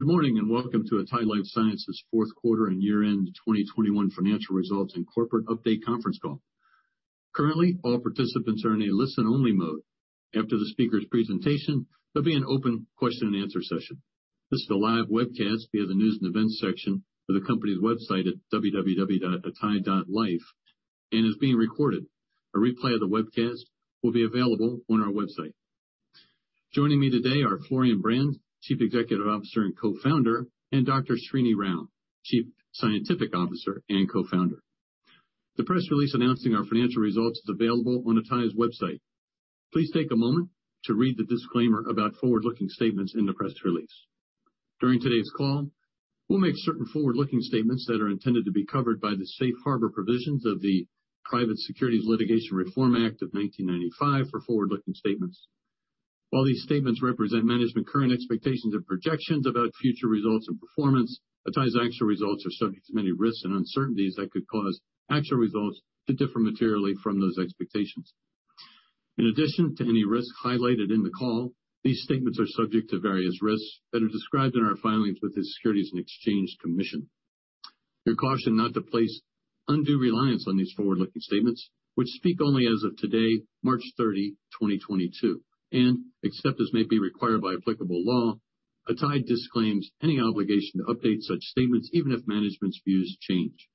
Good morning, and welcome to atai Life Sciences Q4 and year-end 2021 financial results and corporate update conference call. Currently, all participants are in a listen-only mode. After the speaker's presentation, there'll be an open question and answer session. This is a live webcast via the news and events section of the company's website at www.atai.life and is being recorded. A replay of the webcast will be available on our website. Joining me today are Florian Brand, Chief Executive Officer and Co-founder, and Dr. Srinivas Rao, Chief Scientific Officer and Co-founder. The press release announcing our financial results is available on atai's website. Please take a moment to read the disclaimer about forward-looking statements in the press release. During today's call, we'll make certain forward-looking statements that are intended to be covered by the safe harbor provisions of the Private Securities Litigation Reform Act of 1995 for forward-looking statements. While these statements represent management current expectations and projections about future results and performance, ATAI's actual results are subject to many risks and uncertainties that could cause actual results to differ materially from those expectations. In addition to any risks highlighted in the call, these statements are subject to various risks that are described in our filings with the Securities and Exchange Commission. We caution not to place undue reliance on these forward-looking statements which speak only as of today, March 30, 2022. Except as may be required by applicable law, ATAI disclaims any obligation to update such statements, even if management's views change.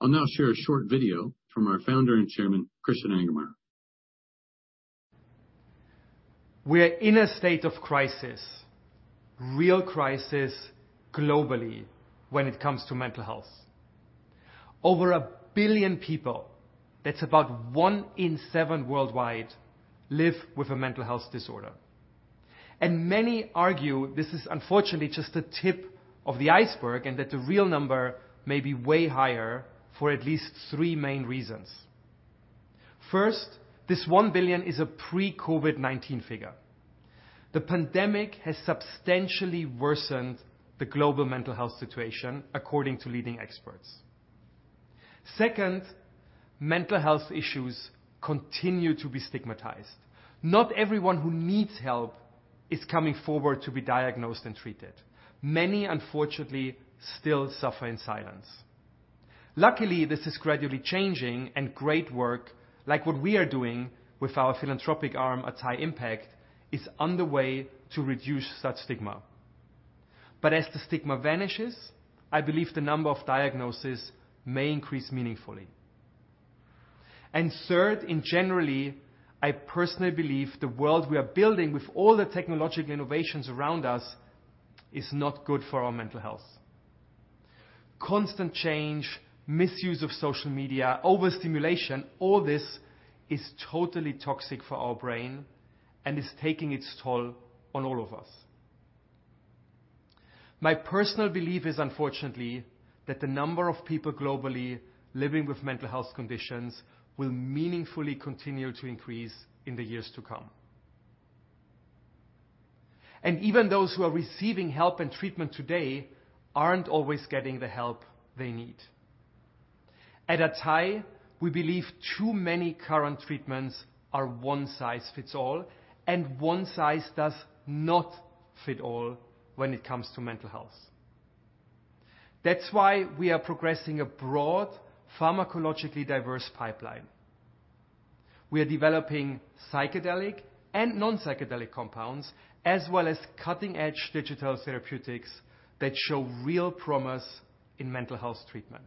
I'll now share a short video from our founder and chairman, Christian Angermayer. We are in a state of crisis, real crisis globally when it comes to mental health. Over a billion people, that's about one in seven worldwide, live with a mental health disorder. Many argue this is unfortunately just the tip of the iceberg and that the real number may be way higher for at least three main reasons. First, this 1 billion is a pre-COVID-19 figure. The pandemic has substantially worsened the global mental health situation according to leading experts. Second, mental health issues continue to be stigmatized. Not everyone who needs help is coming forward to be diagnosed and treated. Many, unfortunately, still suffer in silence. Luckily, this is gradually changing, and great work like what we are doing with our philanthropic arm, atai Impact, is on the way to reduce such stigma. As the stigma vanishes, I believe the number of diagnosis may increase meaningfully. Third, and generally, I personally believe the world we are building with all the technological innovations around us is not good for our mental health. Constant change, misuse of social media, overstimulation, all this is totally toxic for our brain and is taking its toll on all of us. My personal belief is, unfortunately, that the number of people globally living with mental health conditions will meaningfully continue to increase in the years to come. Even those who are receiving help and treatment today aren't always getting the help they need. At ATAI, we believe too many current treatments are one size fits all, and one size does not fit all when it comes to mental health. That's why we are progressing a broad pharmacologically diverse pipeline. We are developing psychedelic and non-psychedelic compounds, as well as cutting-edge digital therapeutics that show real promise in mental health treatment.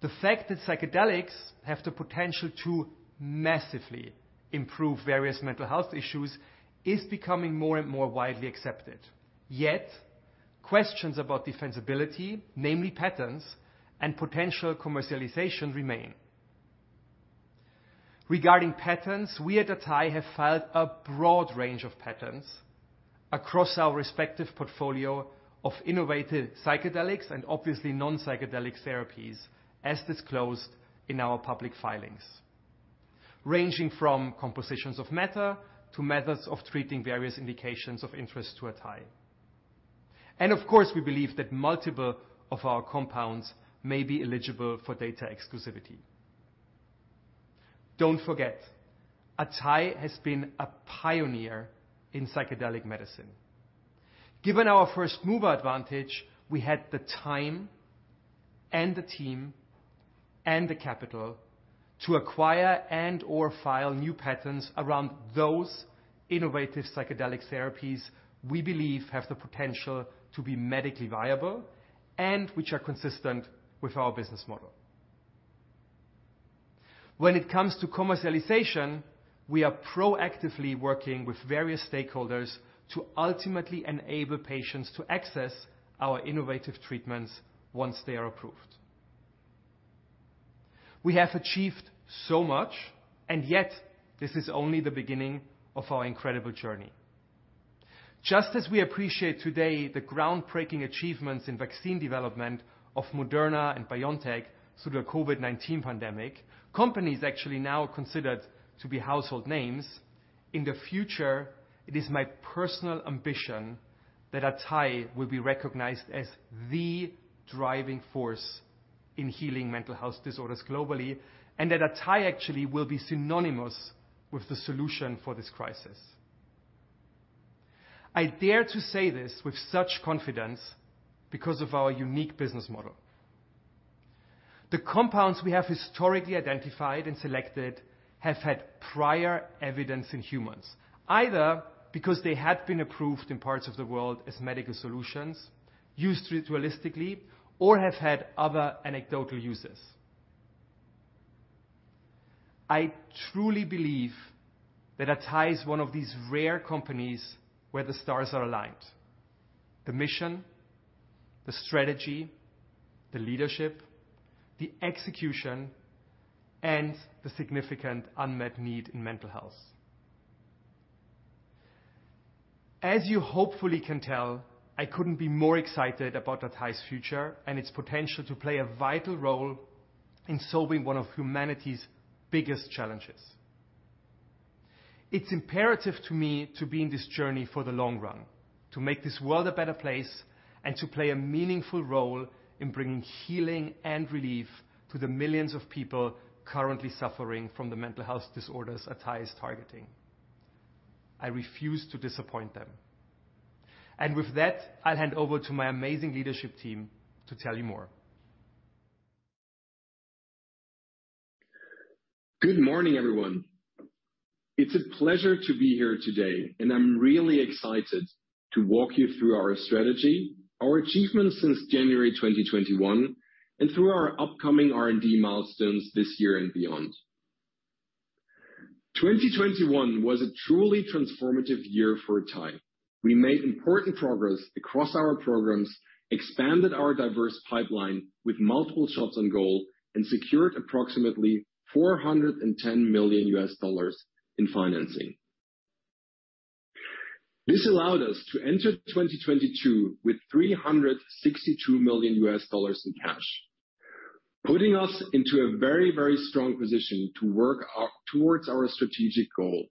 The fact that psychedelics have the potential to massively improve various mental health issues is becoming more and more widely accepted. Yet, questions about defensibility, namely patents and potential commercialization remain. Regarding patents, we at ATAI have filed a broad range of patents across our respective portfolio of innovative psychedelics and obviously non-psychedelic therapies as disclosed in our public filings, ranging from compositions of matter to methods of treating various indications of interest to ATAI. Of course, we believe that multiple of our compounds may be eligible for data exclusivity. Don't forget, ATAI has been a pioneer in psychedelic medicine. Given our first-mover advantage, we had the time and the team and the capital to acquire and/or file new patents around those innovative psychedelic therapies we believe have the potential to be medically viable and which are consistent with our business model. When it comes to commercialization, we are proactively working with various stakeholders to ultimately enable patients to access our innovative treatments once they are approved. We have achieved so much, and yet this is only the beginning of our incredible journey. Just as we appreciate today the groundbreaking achievements in vaccine development of Moderna and BioNTech through the COVID-19 pandemic, companies actually now considered to be household names. In the future, it is my personal ambition that atai will be recognized as the driving force in healing mental health disorders globally, and that atai actually will be synonymous with the solution for this crisis. I dare to say this with such confidence because of our unique business model. The compounds we have historically identified and selected have had prior evidence in humans, either because they had been approved in parts of the world as medical solutions, used ritualistically or have had other anecdotal uses. I truly believe that atai is one of these rare companies where the stars are aligned. The mission, the strategy, the leadership, the execution, and the significant unmet need in mental health. As you hopefully can tell, I couldn't be more excited about atai's future and its potential to play a vital role in solving one of humanity's biggest challenges. It's imperative to me to be in this journey for the long run, to make this world a better place, and to play a meaningful role in bringing healing and relief to the millions of people currently suffering from the mental health disorders atai is targeting. I refuse to disappoint them. With that, I'll hand over to my amazing leadership team to tell you more. Good morning, everyone. It's a pleasure to be here today, and I'm really excited to walk you through our strategy, our achievements since January 2021, and through our upcoming R&D milestones this year and beyond. 2021 was a truly transformative year for Atai. We made important progress across our programs, expanded our diverse pipeline with multiple shots on goal, and secured approximately $410 million in financing. This allowed us to enter 2022 with $362 million in cash, putting us into a very, very strong position to work towards our strategic goal,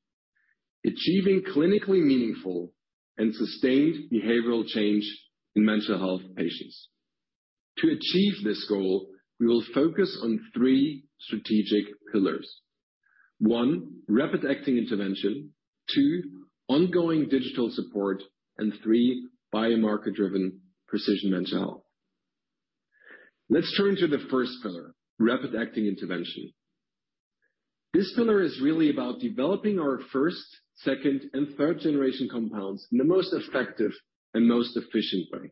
achieving clinically meaningful and sustained behavioral change in mental health patients. To achieve this goal, we will focus on three strategic pillars. One, rapid-acting intervention. Two, ongoing digital support. Three, biomarker-driven precision mental health. Let's turn to the first pillar, rapid-acting intervention. This pillar is really about developing our first, second, and third generation compounds in the most effective and most efficient way.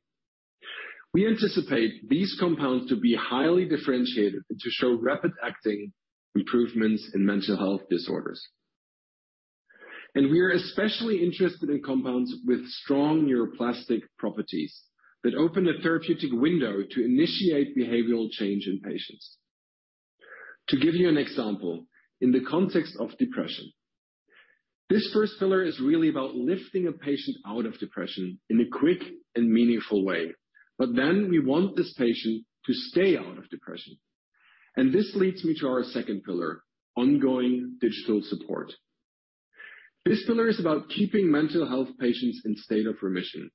We anticipate these compounds to be highly differentiated and to show rapid-acting improvements in mental health disorders. We are especially interested in compounds with strong neuroplastic properties that open a therapeutic window to initiate behavioral change in patients. To give you an example, in the context of depression, this first pillar is really about lifting a patient out of depression in a quick and meaningful way. We want this patient to stay out of depression. This leads me to our second pillar, ongoing digital support. This pillar is about keeping mental health patients in state of remission,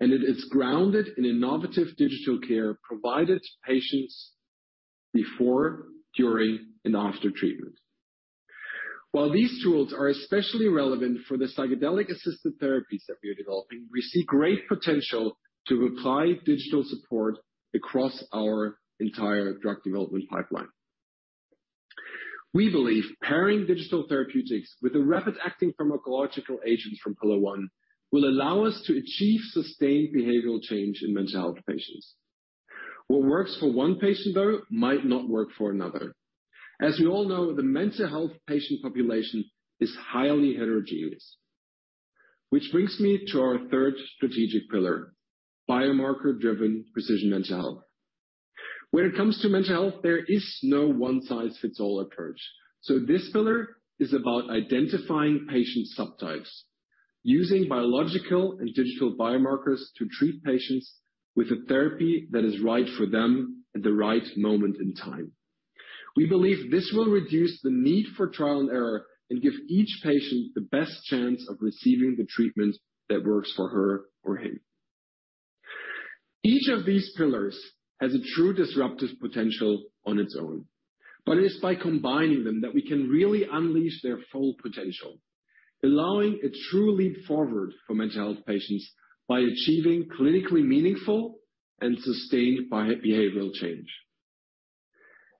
and it is grounded in innovative digital care provided to patients before, during, and after treatment. While these tools are especially relevant for the psychedelic-assisted therapies that we are developing, we see great potential to apply digital support across our entire drug development pipeline. We believe pairing digital therapeutics with a rapid-acting pharmacological agent from pillar one will allow us to achieve sustained behavioral change in mental health patients. What works for one patient, though, might not work for another. As we all know, the mental health patient population is highly heterogeneous. Which brings me to our third strategic pillar, biomarker-driven precision mental health. When it comes to mental health, there is no one-size-fits-all approach. This pillar is about identifying patient subtypes using biological and digital biomarkers to treat patients with a therapy that is right for them at the right moment in time. We believe this will reduce the need for trial and error and give each patient the best chance of receiving the treatment that works for her or him. Each of these pillars has a true disruptive potential on its own, but it is by combining them that we can really unleash their full potential, allowing a true leap forward for mental health patients by achieving clinically meaningful and sustained behavioral change.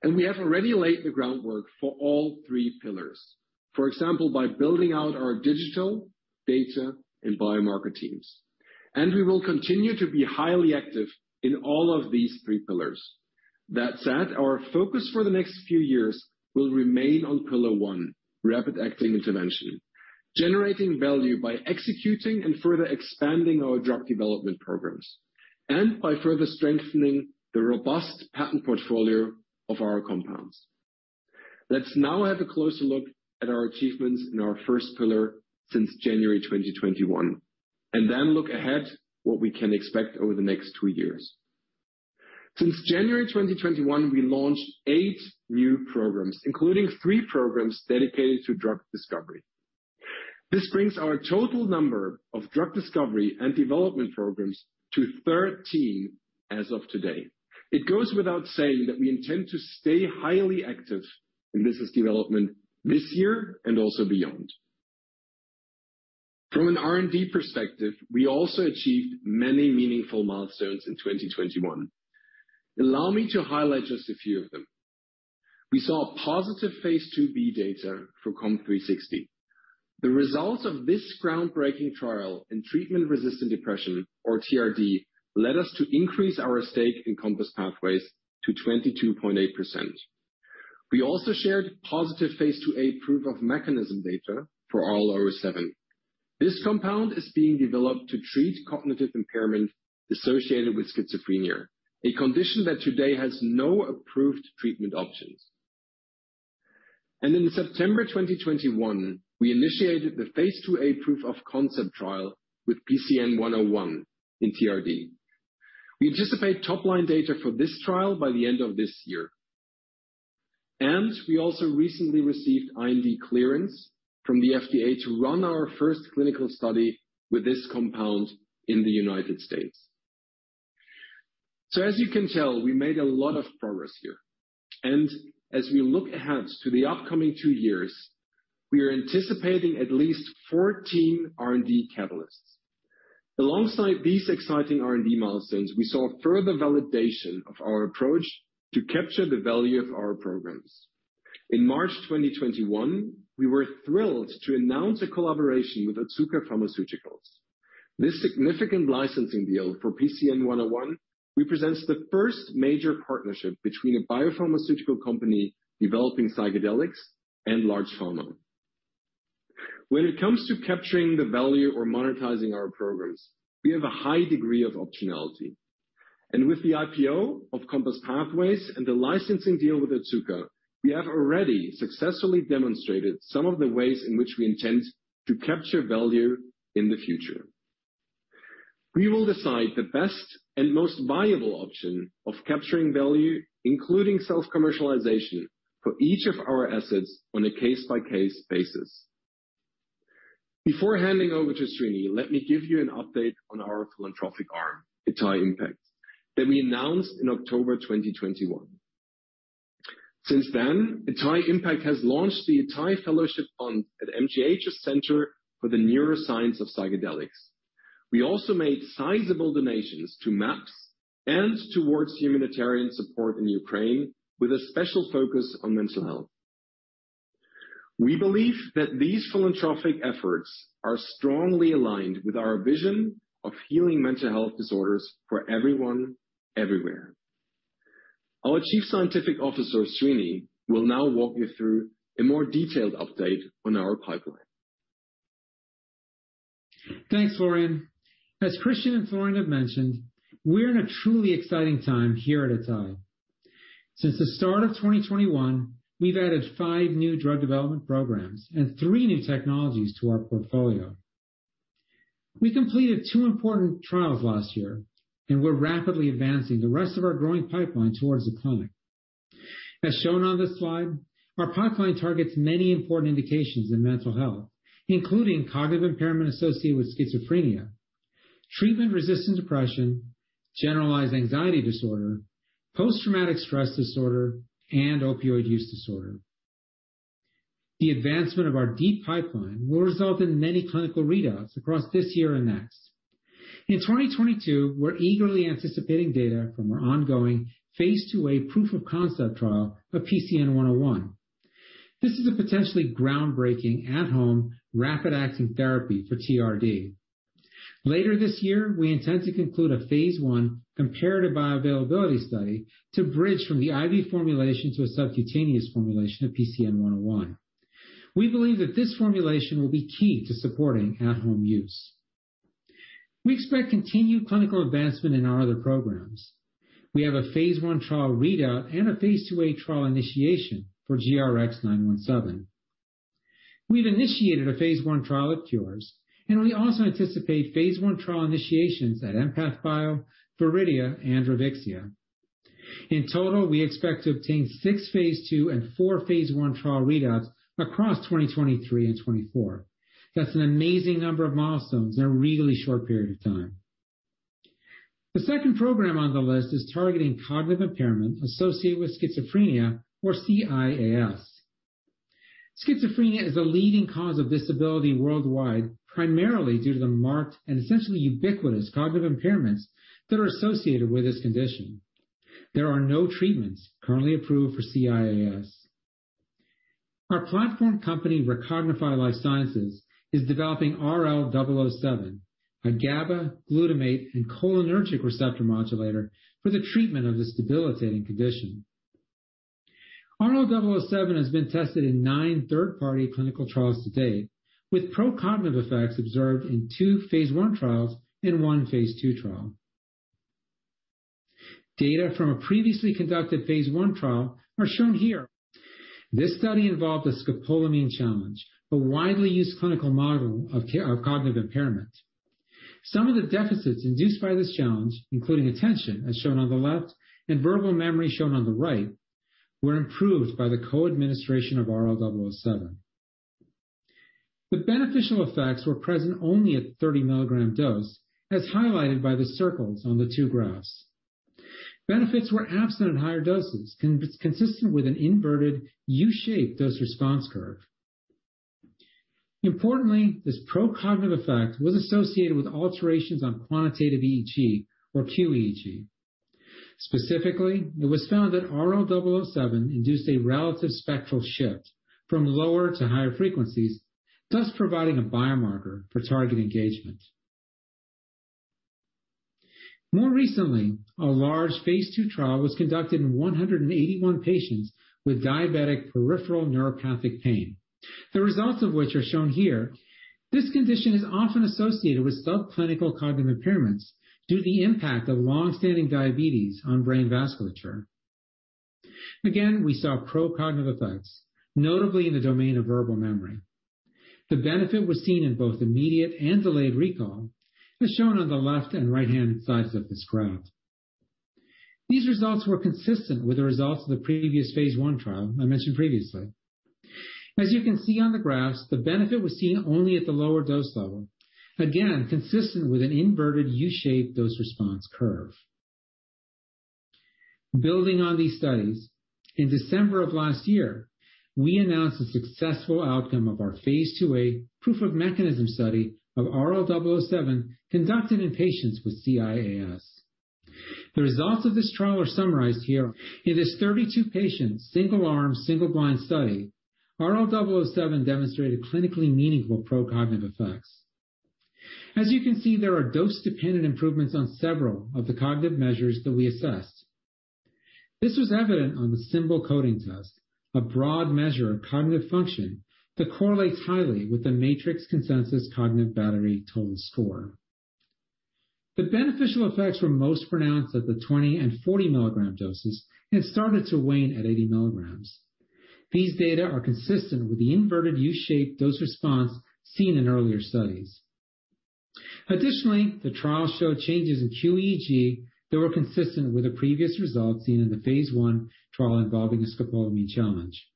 We have already laid the groundwork for all three pillars, for example, by building out our digital, data, and biomarker teams. We will continue to be highly active in all of these three pillars. That said, our focus for the next few years will remain on pillar one, rapid-acting intervention, generating value by executing and further expanding our drug development programs and by further strengthening the robust patent portfolio of our compounds. Let's now have a closer look at our achievements in our first pillar since January 2021, and then look ahead what we can expect over the next two years. Since January 2021, we launched eight new programs, including three programs dedicated to drug discovery. This brings our total number of drug discovery and development programs to 13 as of today. It goes without saying that we intend to stay highly active in business development this year and also beyond. From an R&D perspective, we also achieved many meaningful milestones in 2021. Allow me to highlight just a few of them. We saw positive phase IIb data for COMP360. The results of this groundbreaking trial in treatment-resistant depression or TRD led us to increase our stake in Compass Pathways to 22.8%. We also shared positive phase IIa proof-of-mechanism data for RL-007. This compound is being developed to treat cognitive impairment associated with schizophrenia, a condition that today has no approved treatment options. In September 2021, we initiated the phase IIa proof-of-concept trial with PCN-101 in TRD. We anticipate top-line data for this trial by the end of this year. We also recently received IND clearance from the FDA to run our first clinical study with this compound in the United States. As you can tell, we made a lot of progress here, and as we look ahead to the upcoming two years, we are anticipating at least 14 R&D catalysts. Alongside these exciting R&D milestones, we saw further validation of our approach to capture the value of our programs. In March 2021, we were thrilled to announce a collaboration with Otsuka Pharmaceutical. This significant licensing deal for PCN-101 represents the first major partnership between a biopharmaceutical company developing psychedelics and large pharma. When it comes to capturing the value or monetizing our programs, we have a high degree of optionality. With the IPO of Compass Pathways and the licensing deal with Otsuka, we have already successfully demonstrated some of the ways in which we intend to capture value in the future. We will decide the best and most viable option of capturing value, including self-commercialization for each of our assets on a case-by-case basis. Before handing over to Srini, let me give you an update on our philanthropic arm, atai Impact, that we announced in October 2021. Since then, atai Impact has launched the atai Fellowship Fund at MGH Center for the Neuroscience of Psychedelics. We also made sizable donations to MAPS and towards humanitarian support in Ukraine with a special focus on mental health. We believe that these philanthropic efforts are strongly aligned with our vision of healing mental health disorders for everyone everywhere. Our Chief Scientific Officer, Srini, will now walk you through a more detailed update on our pipeline. Thanks, Florian. As Christian and Florian have mentioned, we're in a truly exciting time here at atai. Since the start of 2021, we've added five new drug development programs and three new technologies to our portfolio. We completed two important trials last year, and we're rapidly advancing the rest of our growing pipeline towards the clinic. As shown on this slide, our pipeline targets many important indications in mental health, including cognitive impairment associated with schizophrenia, treatment-resistant depression, generalized anxiety disorder, post-traumatic stress disorder, and opioid use disorder. The advancement of our deep pipeline will result in many clinical readouts across this year and next. In 2022, we're eagerly anticipating data from our ongoing phase II A proof of concept trial of PCN-101. This is a potentially groundbreaking at home rapid-acting therapy for TRD. Later this year, we intend to conclude a phase I comparative bioavailability study to bridge from the IV formulation to a subcutaneous formulation of PCN-101. We believe that this formulation will be key to supporting at-home use. We expect continued clinical advancement in our other programs. We have a phase I trial readout and a phase IIa trial initiation for GRX-917. We've initiated a phase I trial at Kures, and we also anticipate phase I trial initiations at EmpathBio, Viridia, and Revixia. In total, we expect to obtain 6 phase II and 4 phase I trial readouts across 2023 and 2024. That's an amazing number of milestones in a really short period of time. The second program on the list is targeting cognitive impairment associated with schizophrenia or CIAS. Schizophrenia is a leading cause of disability worldwide, primarily due to the marked and essentially ubiquitous cognitive impairments that are associated with this condition. There are no treatments currently approved for CIAS. Our platform company, Recognify Life Sciences, is developing RL-007, a GABA, glutamate, and cholinergic receptor modulator for the treatment of this debilitating condition. RL-007 has been tested in nine third-party clinical trials to date, with pro-cognitive effects observed in two phase I trials and one phase II trial. Data from a previously conducted phase I trial are shown here. This study involved a scopolamine challenge, a widely used clinical model of cognitive impairment. Some of the deficits induced by this challenge, including attention as shown on the left, and verbal memory shown on the right, were improved by the co-administration of RL-007. The beneficial effects were present only at 30 mg dose, as highlighted by the circles on the two graphs. Benefits were absent at higher doses consistent with an inverted U-shaped dose-response curve. Importantly, this pro-cognitive effect was associated with alterations on quantitative EEG or qEEG. Specifically, it was found that RL-007 induced a relative spectral shift from lower to higher frequencies, thus providing a biomarker for target engagement. More recently, a large phase II trial was conducted in 181 patients with diabetic peripheral neuropathic pain. The results of which are shown here. This condition is often associated with sub-clinical cognitive impairments due to the impact of long-standing diabetes on brain vasculature. Again, we saw pro-cognitive effects, notably in the domain of verbal memory. The benefit was seen in both immediate and delayed recall, as shown on the left and right-hand sides of this graph. These results were consistent with the results of the previous phase I trial I mentioned previously. As you can see on the graphs, the benefit was seen only at the lower dose level. Again, consistent with an inverted U-shaped dose-response curve. Building on these studies, in December of last year, we announced a successful outcome of our phase IIa proof-of-mechanism study of RL-007 conducted in patients with CIAS. The results of this trial are summarized here. In this 32-patient, single-arm, single-blind study, RL-007 demonstrated clinically meaningful pro-cognitive effects. As you can see, there are dose-dependent improvements on several of the cognitive measures that we assessed. This was evident on the symbol coding test, a broad measure of cognitive function that correlates highly with the MATRICS Consensus Cognitive Battery total score. The beneficial effects were most pronounced at the 20- and 40-milligram doses and started to wane at 80 milligrams. These data are consistent with the inverted U-shaped dose response seen in earlier studies. Additionally, the trial showed changes in qEEG that were consistent with the previous results seen in the phase I trial involving a scopolamine challenge.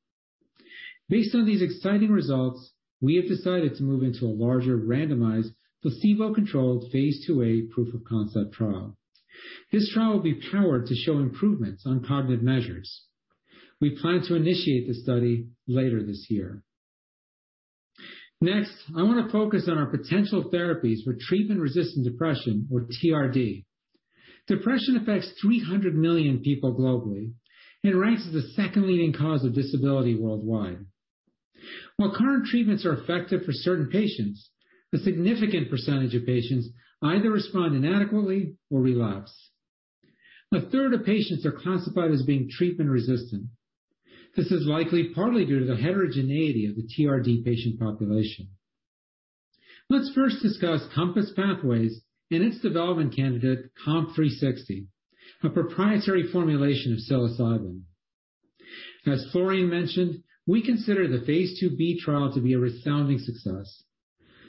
Based on these exciting results, we have decided to move into a larger randomized placebo-controlled phase IIa proof of concept trial. This trial will be powered to show improvements on cognitive measures. We plan to initiate the study later this year. Next, I wanna focus on our potential therapies for treatment-resistant depression or TRD. Depression affects 300 million people globally. It ranks as the second leading cause of disability worldwide. While current treatments are effective for certain patients, a significant percentage of patients either respond inadequately or relapse. A third of patients are classified as being treatment-resistant. This is likely partly due to the heterogeneity of the TRD patient population. Let's first discuss Compass Pathways and its development candidate, COMP360, a proprietary formulation of psilocybin. As Florian mentioned, we consider the phase IIb trial to be a resounding success.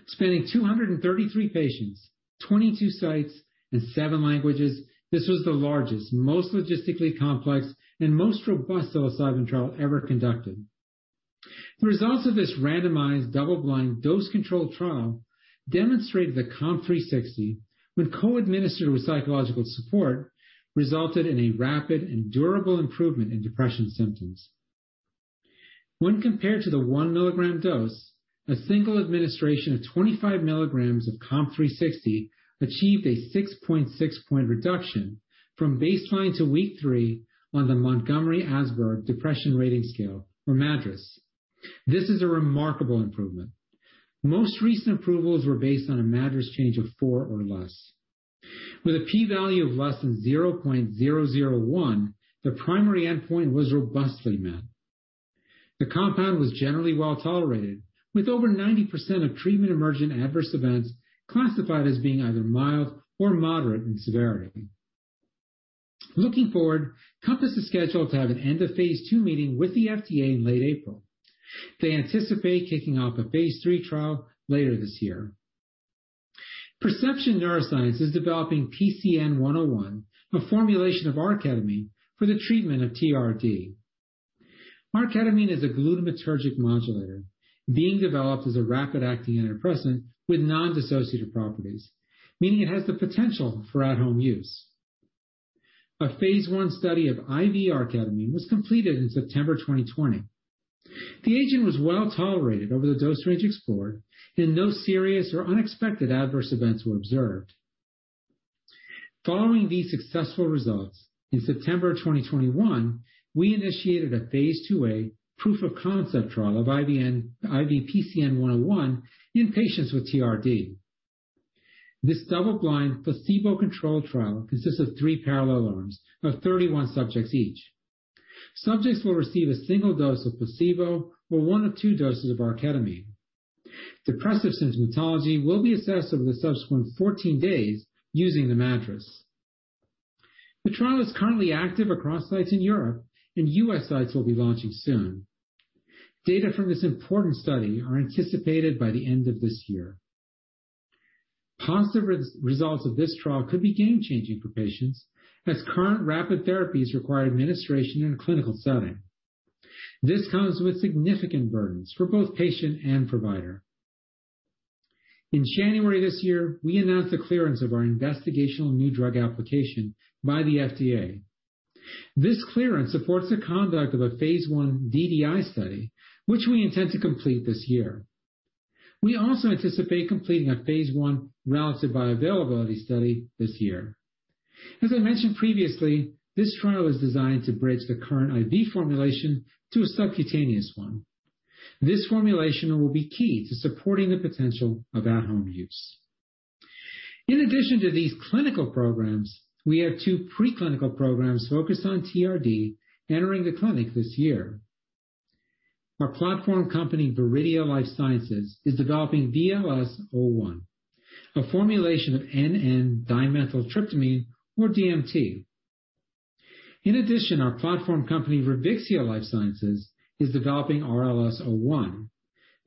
Spanning 233 patients, 22 sites, and 7 languages, this was the largest, most logistically complex and most robust psilocybin trial ever conducted. The results of this randomized double-blind dose-controlled trial demonstrated that COMP360, when co-administered with psychological support, resulted in a rapid and durable improvement in depression symptoms. When compared to the 1 milligram dose, a single administration of 25 milligrams of COMP360 achieved a 6.6-point reduction from baseline to week three on the Montgomery-Åsberg Depression Rating Scale, or MADRS. This is a remarkable improvement. Most recent approvals were based on a MADRS change of 4 or less. With a p-value of less than 0.001, the primary endpoint was robustly met. The compound was generally well-tolerated, with over 90% of treatment-emergent adverse events classified as being either mild or moderate in severity. Looking forward, Compass is scheduled to have an end of phase II meeting with the FDA in late April. They anticipate kicking off a phase III trial later this year. Perception Neuroscience is developing PCN-101, a formulation of R-ketamine for the treatment of TRD. R-ketamine is a glutamatergic modulator being developed as a rapid-acting antidepressant with non-dissociative properties, meaning it has the potential for at home use. A phase I study of IV R-ketamine was completed in September 2020. The agent was well-tolerated over the dose range explored, and no serious or unexpected adverse events were observed. Following these successful results, in September 2021, we initiated a phase IIa proof-of-concept trial of IV PCN-101 in patients with TRD. This double-blind placebo-controlled trial consists of three parallel arms of 31 subjects each. Subjects will receive a single dose of placebo or one of two doses of PCN-101. Depressive symptomatology will be assessed over the subsequent 14 days using the MADRS. The trial is currently active across sites in Europe and U.S. sites will be launching soon. Data from this important study are anticipated by the end of this year. Positive results of this trial could be game-changing for patients as current rapid therapies require administration in a clinical setting. This comes with significant burdens for both patient and provider. In January this year, we announced the clearance of our investigational new drug application by the FDA. This clearance supports the conduct of a phase I DDI study, which we intend to complete this year. We also anticipate completing a phase I relative bioavailability study this year. As I mentioned previously, this trial is designed to bridge the current IV formulation to a subcutaneous one. This formulation will be key to supporting the potential of at home use. In addition to these clinical programs, we have two preclinical programs focused on TRD entering the clinic this year. Our platform company, Viridia Life Sciences, is developing VLS-01, a formulation of N,N-dimethyltryptamine or DMT. In addition, our platform company, Revixia Life Sciences, is developing RLS-01.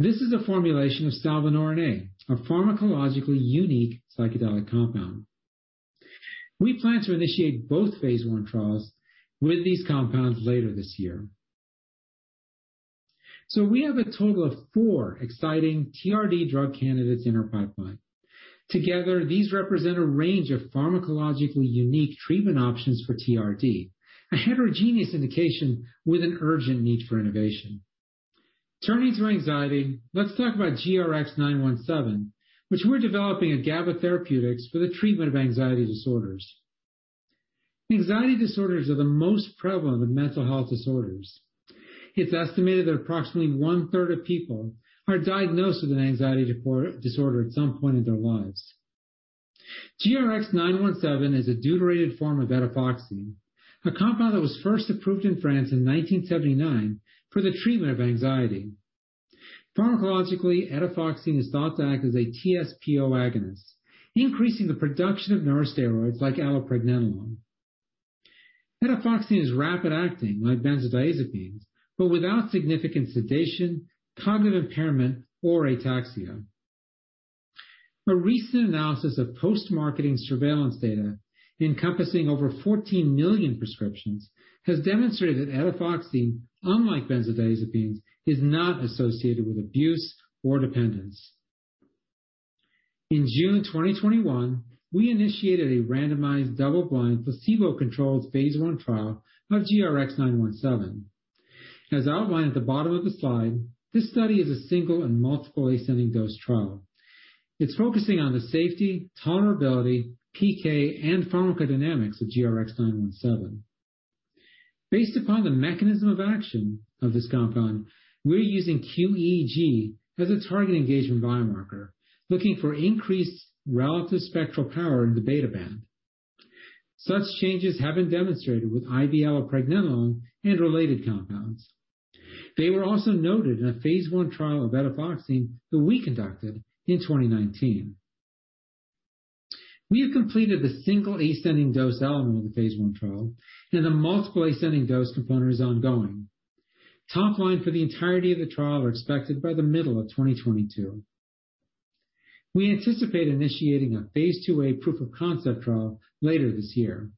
This is a formulation of Salvinorin A, a pharmacologically unique psychedelic compound. We plan to initiate both phase I trials with these compounds later this year. We have a total of four exciting TRD drug candidates in our pipeline. Together, these represent a range of pharmacologically unique treatment options for TRD, a heterogeneous indication with an urgent need for innovation. Turning to anxiety, let's talk about GRX-917, which we're developing at GABA Therapeutics for the treatment of anxiety disorders. Anxiety disorders are the most prevalent of mental health disorders. It's estimated that approximately one-third of people are diagnosed with an anxiety disorder at some point in their lives. GRX-917 is a deuterated form of etifoxine, a compound that was first approved in France in 1979 for the treatment of anxiety. Pharmacologically, etifoxine is thought to act as a TSPO agonist, increasing the production of neurosteroids like allopregnanolone. Etifoxine is rapid acting like benzodiazepines, but without significant sedation, cognitive impairment, or ataxia. A recent analysis of post-marketing surveillance data encompassing over 14 million prescriptions has demonstrated etifoxine, unlike benzodiazepines, is not associated with abuse or dependence. In June 2021, we initiated a randomized double-blind, placebo-controlled phase I trial of GRX-917. As outlined at the bottom of the slide, this study is a single and multiple ascending dose trial. It's focusing on the safety, tolerability, PK, and pharmacodynamics of GRX-917. Based upon the mechanism of action of this compound, we're using qEEG as a target engagement biomarker, looking for increased relative spectral power in the beta band. Such changes have been demonstrated with IV allopregnanolone and related compounds. They were also noted in a phase I trial of etifoxine that we conducted in 2019. We have completed the single ascending dose element of the phase I trial, and the multiple ascending dose component is ongoing. Top line for the entirety of the trial are expected by the middle of 2022. We anticipate initiating a phase IIa proof-of-concept trial later this year.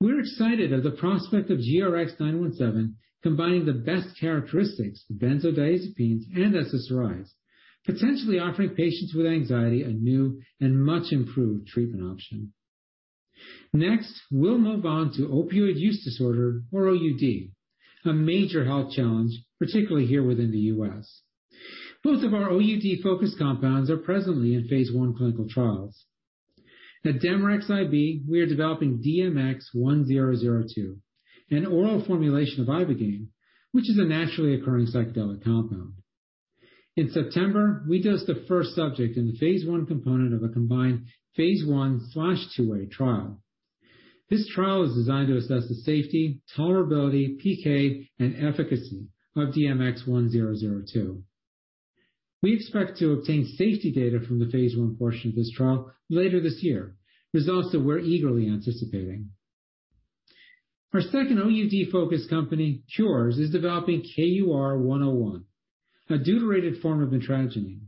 We're excited at the prospect of GRX-917 combining the best characteristics of benzodiazepines and SSRIs, potentially offering patients with anxiety a new and much improved treatment option. Next, we'll move on to opioid use disorder or OUD, a major health challenge, particularly here within the U.S. Both of our OUD-focused compounds are presently in phase I clinical trials. At DemeRx IB, we are developing DMX-1002, an oral formulation of ibogaine, which is a naturally occurring psychedelic compound. In September, we dosed the first subject in the phase I component of a combined phase I/IIA trial. This trial is designed to assess the safety, tolerability, PK, and efficacy of DMX-1002. We expect to obtain safety data from the phase I portion of this trial later this year. Results that we're eagerly anticipating. Our second OUD focused company, Kures, is developing KUR-101, a deuterated form of mitragynine.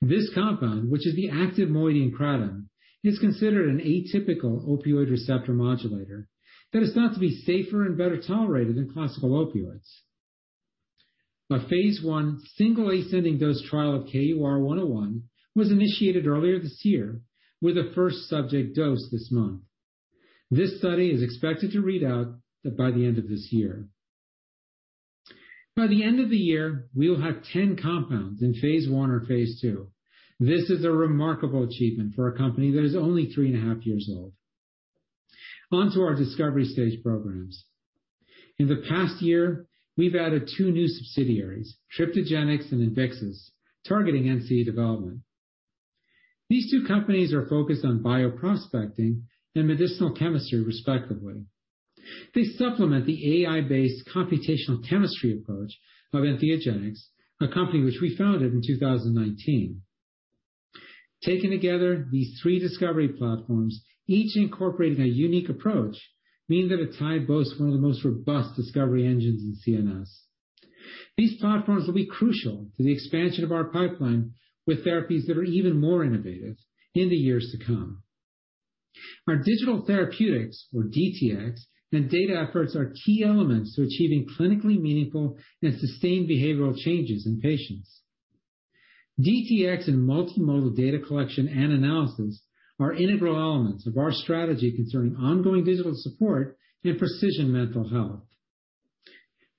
This compound, which is the active moiety in kratom, is considered an atypical opioid receptor modulator that is thought to be safer and better tolerated than classical opioids. A phase I single ascending dose trial of KUR-101 was initiated earlier this year with the first subject dosed this month. This study is expected to read out by the end of this year. By the end of the year, we will have 10 compounds in phase I or phase II. This is a remarkable achievement for a company that is only three and a half years old. On to our discovery stage programs. In the past year, we've added 2 new subsidiaries, TryptageniX and Invyxis, targeting NCE development. These two companies are focused on bioprospecting and medicinal chemistry, respectively. They supplement the AI-based computational chemistry approach of EntheogeniX, a company which we founded in 2019. Taking together these three discovery platforms, each incorporating a unique approach, means that atai boasts one of the most robust discovery engines in CNS. These platforms will be crucial to the expansion of our pipeline with therapies that are even more innovative in the years to come. Our digital therapeutics, or DTx, and data efforts are key elements to achieving clinically meaningful and sustained behavioral changes in patients. DTx and multimodal data collection and analysis are integral elements of our strategy concerning ongoing digital support and precision mental health.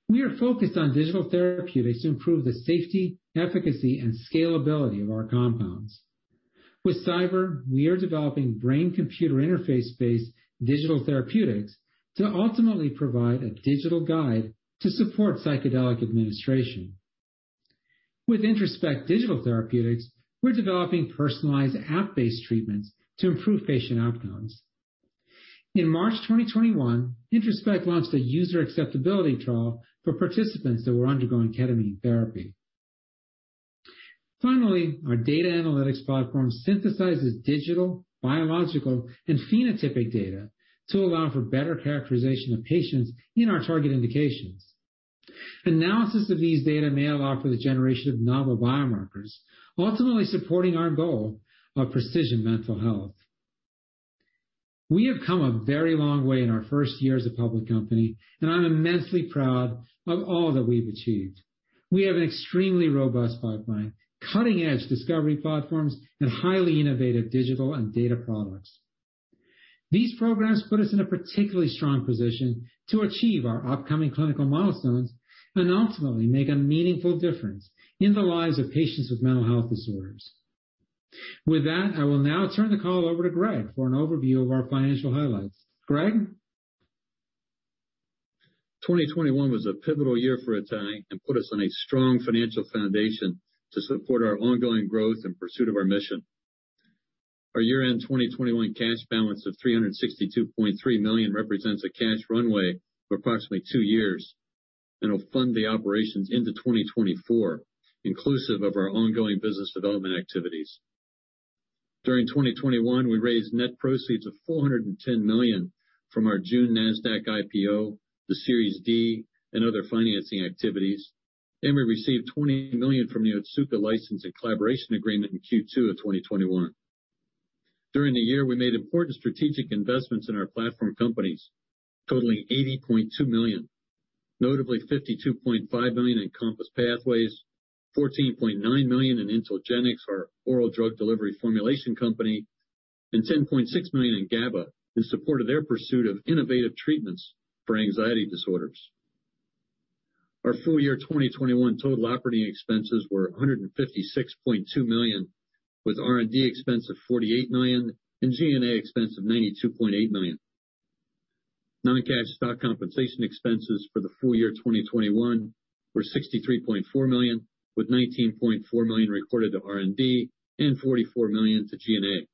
We are focused on digital therapeutics to improve the safety, efficacy, and scalability of our compounds. With Psyber, we are developing brain-computer interface-based digital therapeutics to ultimately provide a digital guide to support psychedelic administration. With IntroSpect Digital Therapeutics, we're developing personalized app-based treatments to improve patient outcomes. In March 2021, IntroSpect launched a user acceptability trial for participants that were undergoing ketamine therapy. Finally, our data analytics platform synthesizes digital, biological, and phenotypic data to allow for better characterization of patients in our target indications. Analysis of these data may allow for the generation of novel biomarkers, ultimately supporting our goal of precision mental health. We have come a very long way in our first year as a public company, and I'm immensely proud of all that we've achieved. We have an extremely robust pipeline, cutting-edge discovery platforms, and highly innovative digital and data products. These programs put us in a particularly strong position to achieve our upcoming clinical milestones and ultimately make a meaningful difference in the lives of patients with mental health disorders. With that, I will now turn the call over to Greg for an overview of our financial highlights. Greg? 2021 was a pivotal year for atai and put us on a strong financial foundation to support our ongoing growth in pursuit of our mission. Our year-end 2021 cash balance of $362.3 million represents a cash runway for approximately two years and will fund the operations into 2024, inclusive of our ongoing business development activities. During 2021, we raised net proceeds of $410 million from our June Nasdaq IPO, the Series D, and other financing activities. We received $20 million from the Otsuka license and collaboration agreement in Q2 of 2021. During the year, we made important strategic investments in our platform companies totaling $80.2 million. Notably, $52.5 million in Compass Pathways, $14.9 million in IntelGenx, our oral drug delivery formulation company, and $10.6 million in GABA Therapeutics in support of their pursuit of innovative treatments for anxiety disorders. Our full year 2021 total operating expenses were $156.2 million, with R&D expense of $48 million and G&A expense of $92.8 million. Non-cash stock compensation expenses for the full year 2021 were $63.4 million, with $19.4 million recorded to R&D and $44 million to G&A.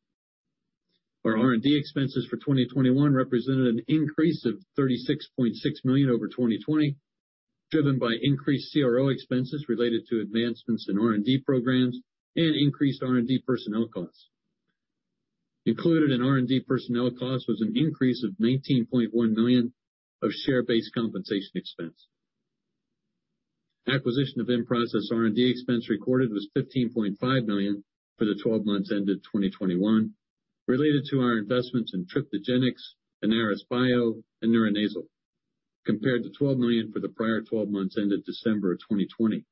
Our R&D expenses for 2021 represented an increase of $36.6 million over 2020, driven by increased CRO expenses related to advancements in R&D programs and increased R&D personnel costs. Included in R&D personnel costs was an increase of $19.1 million of share-based compensation expense. Acquisition of in-process R&D expense recorded was $15.5 million for the 12 months ended 2021, related to our investments in TryptageniX, InnarisBio, and Neuronasal, compared to $12 million for the prior 12 months ended December 2020.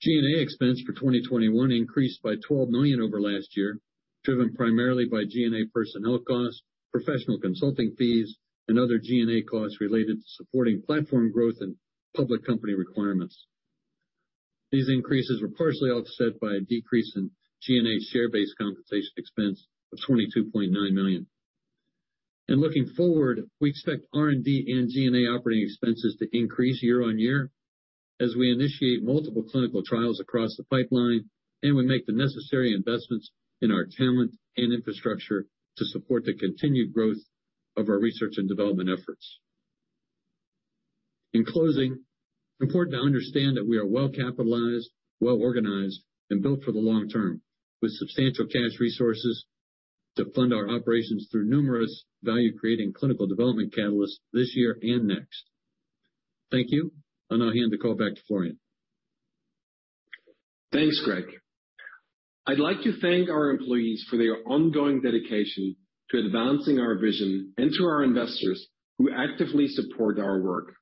G&A expense for 2021 increased by $12 million over last year, driven primarily by G&A personnel costs, professional consulting fees, and other G&A costs related to supporting platform growth and public company requirements. These increases were partially offset by a decrease in G&A share-based compensation expense of $22.9 million. Looking forward, we expect R&D and G&A operating expenses to increase year on year as we initiate multiple clinical trials across the pipeline, and we make the necessary investments in our talent and infrastructure to support the continued growth of our research and development efforts. In closing, important to understand that we are well capitalized, well organized, and built for the long term, with substantial cash resources to fund our operations through numerous value-creating clinical development catalysts this year and next. Thank you. I'll now hand the call back to Florian. Thanks, Greg. I'd like to thank our employees for their ongoing dedication to advancing our vision and to our investors who actively support our work.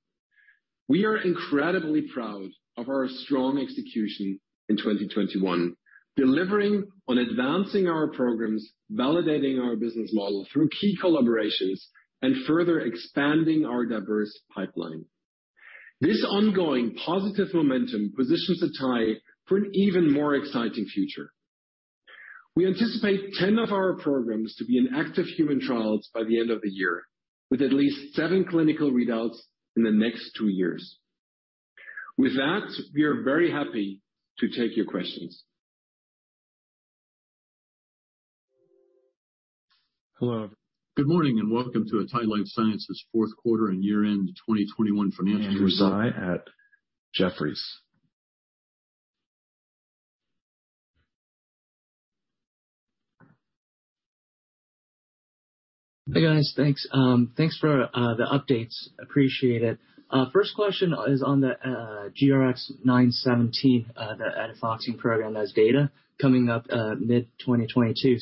We are incredibly proud of our strong execution in 2021, delivering on advancing our programs, validating our business model through key collaborations, and further expanding our diverse pipeline. This ongoing positive momentum positions atai for an even more exciting future. We anticipate 10 of our programs to be in active human trials by the end of the year, with at least seven clinical readouts in the next two years. With that, we are very happy to take your questions. Hello. Good morning, and welcome to atai Life Sciences Q4 and year-end 2021 financial results. Andrew Tsai at Jefferies. Hey, guys. Thanks for the updates. Appreciate it. First question is on the GRX-917, the etifoxine program that has data coming up mid-2022.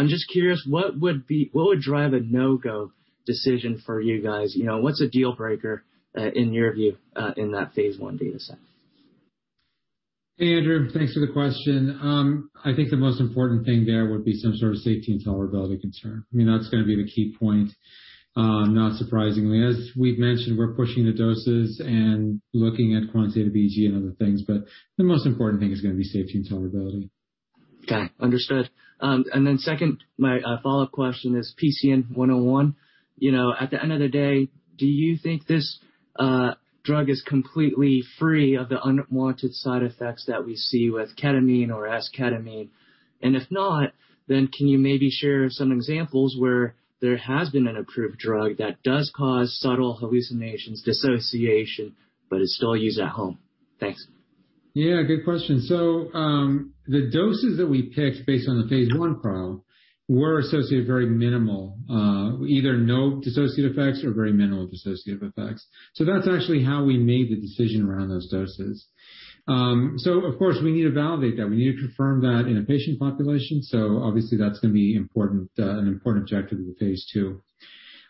I'm just curious, what would drive a no-go decision for you guys? You know, what's a deal breaker in your view in that phase I data set? Hey, Andrew. Thanks for the question. I think the most important thing there would be some sort of safety and tolerability concern. I mean, that's gonna be the key point, not surprisingly. As we've mentioned, we're pushing the doses and looking at quantitative qEEG and other things, but the most important thing is gonna be safety and tolerability. Okay. Understood. Second, my follow-up question is PCN-101. You know, at the end of the day, do you think this drug is completely free of the unwanted side effects that we see with ketamine or S-ketamine? And if not, then can you maybe share some examples where there has been an approved drug that does cause subtle hallucinations, dissociation, but is still used at home? Thanks. Yeah, good question. The doses that we picked based on the phase I trial were associated very minimal, either no dissociative effects or very minimal dissociative effects. That's actually how we made the decision around those doses. Of course, we need to validate that. We need to confirm that in a patient population. Obviously that's gonna be important, an important objective of the phase II.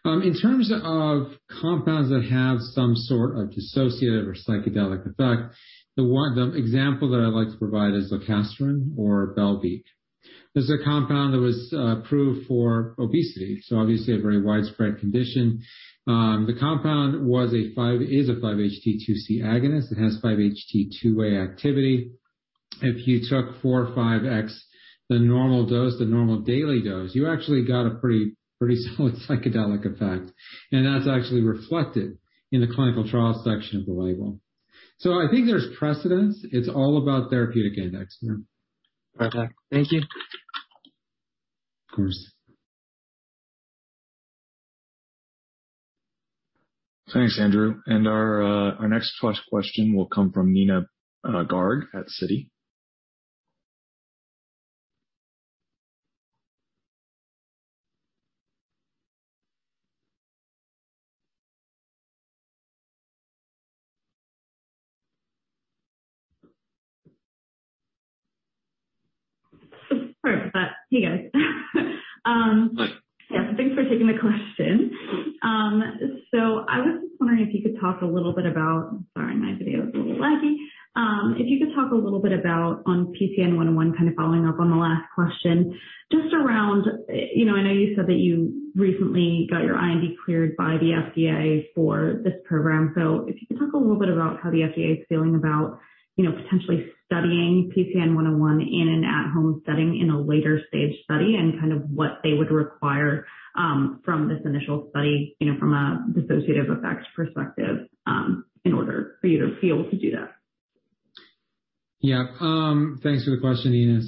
In terms of compounds that have some sort of dissociative or psychedelic effect, the example that I like to provide is lorcaserin or Belviq. This is a compound that was approved for obesity, obviously a very widespread condition. The compound is a 5-HT2C agonist. It has 5-HT2A activity. If you took 4 or 5 X, the normal dose, the normal daily dose, you actually got a pretty solid psychedelic effect. That's actually reflected in the clinical trial section of the label. I think there's precedence. It's all about therapeutic index. Perfect. Thank you. Of course. Thanks, Andrew Tsai. Our next question will come from Neena Bitritto-Garg at Citi. Sorry about that. Hey, guys. Hi. Thanks for taking the question. I was just wondering if you could talk a little bit about PCN-101, kind of following up on the last question, just around, you know, I know you said that you recently got your IND cleared by the FDA for this program. If you could talk a little bit about how the FDA is feeling about, you know, potentially studying PCN-101 in an at-home setting in a later stage study and kind of what they would require from this initial study, you know, from a dissociative effects perspective, in order for you to be able to do that. Yeah. Thanks for the question, Nina.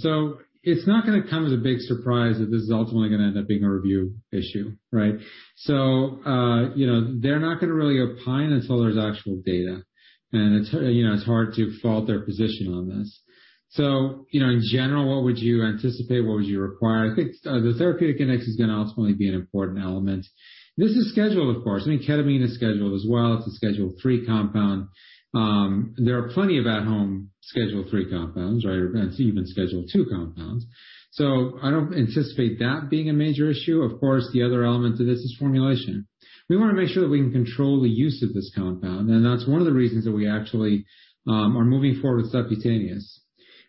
It's not gonna come as a big surprise if this is ultimately gonna end up being a review issue, right? You know, they're not gonna really opine until there's actual data. It's, you know, it's hard to fault their position on this. You know, in general, what would you anticipate? What would you require? I think, the therapeutic index is gonna ultimately be an important element. This is scheduled, of course. I mean, ketamine is scheduled as well. It's a Schedule III compound. There are plenty of at-home Schedule III compounds or even Schedule II compounds. I don't anticipate that being a major issue. Of course, the other element to this is formulation. We wanna make sure that we can control the use of this compound, and that's one of the reasons that we actually are moving forward with subcutaneous.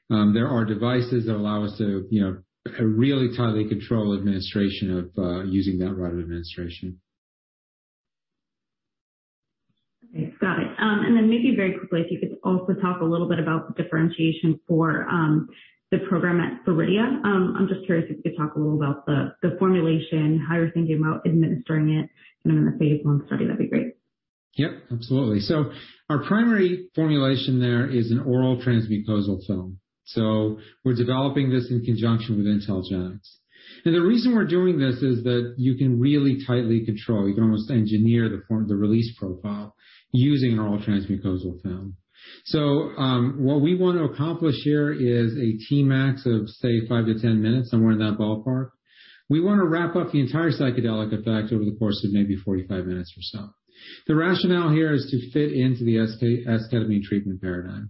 There are devices that allow us to, you know, really tightly control administration of using that route of administration. Okay. Got it. Maybe very quickly, if you could also talk a little bit about the differentiation for the program at Viridia. I'm just curious if you could talk a little about the formulation, how you're thinking about administering it, you know, in the phase I study. That'd be great. Yep, absolutely. Our primary formulation there is an oral transmucosal film. We're developing this in conjunction with IntelGenx. And the reason we're doing this is that you can really tightly control. You can almost engineer the release profile using an oral transmucosal film. What we want to accomplish here is a Tmax of, say, 5-10 minutes, somewhere in that ballpark. We wanna wrap up the entire psychedelic effect over the course of maybe 45 minutes or so. The rationale here is to fit into the esketamine treatment paradigm.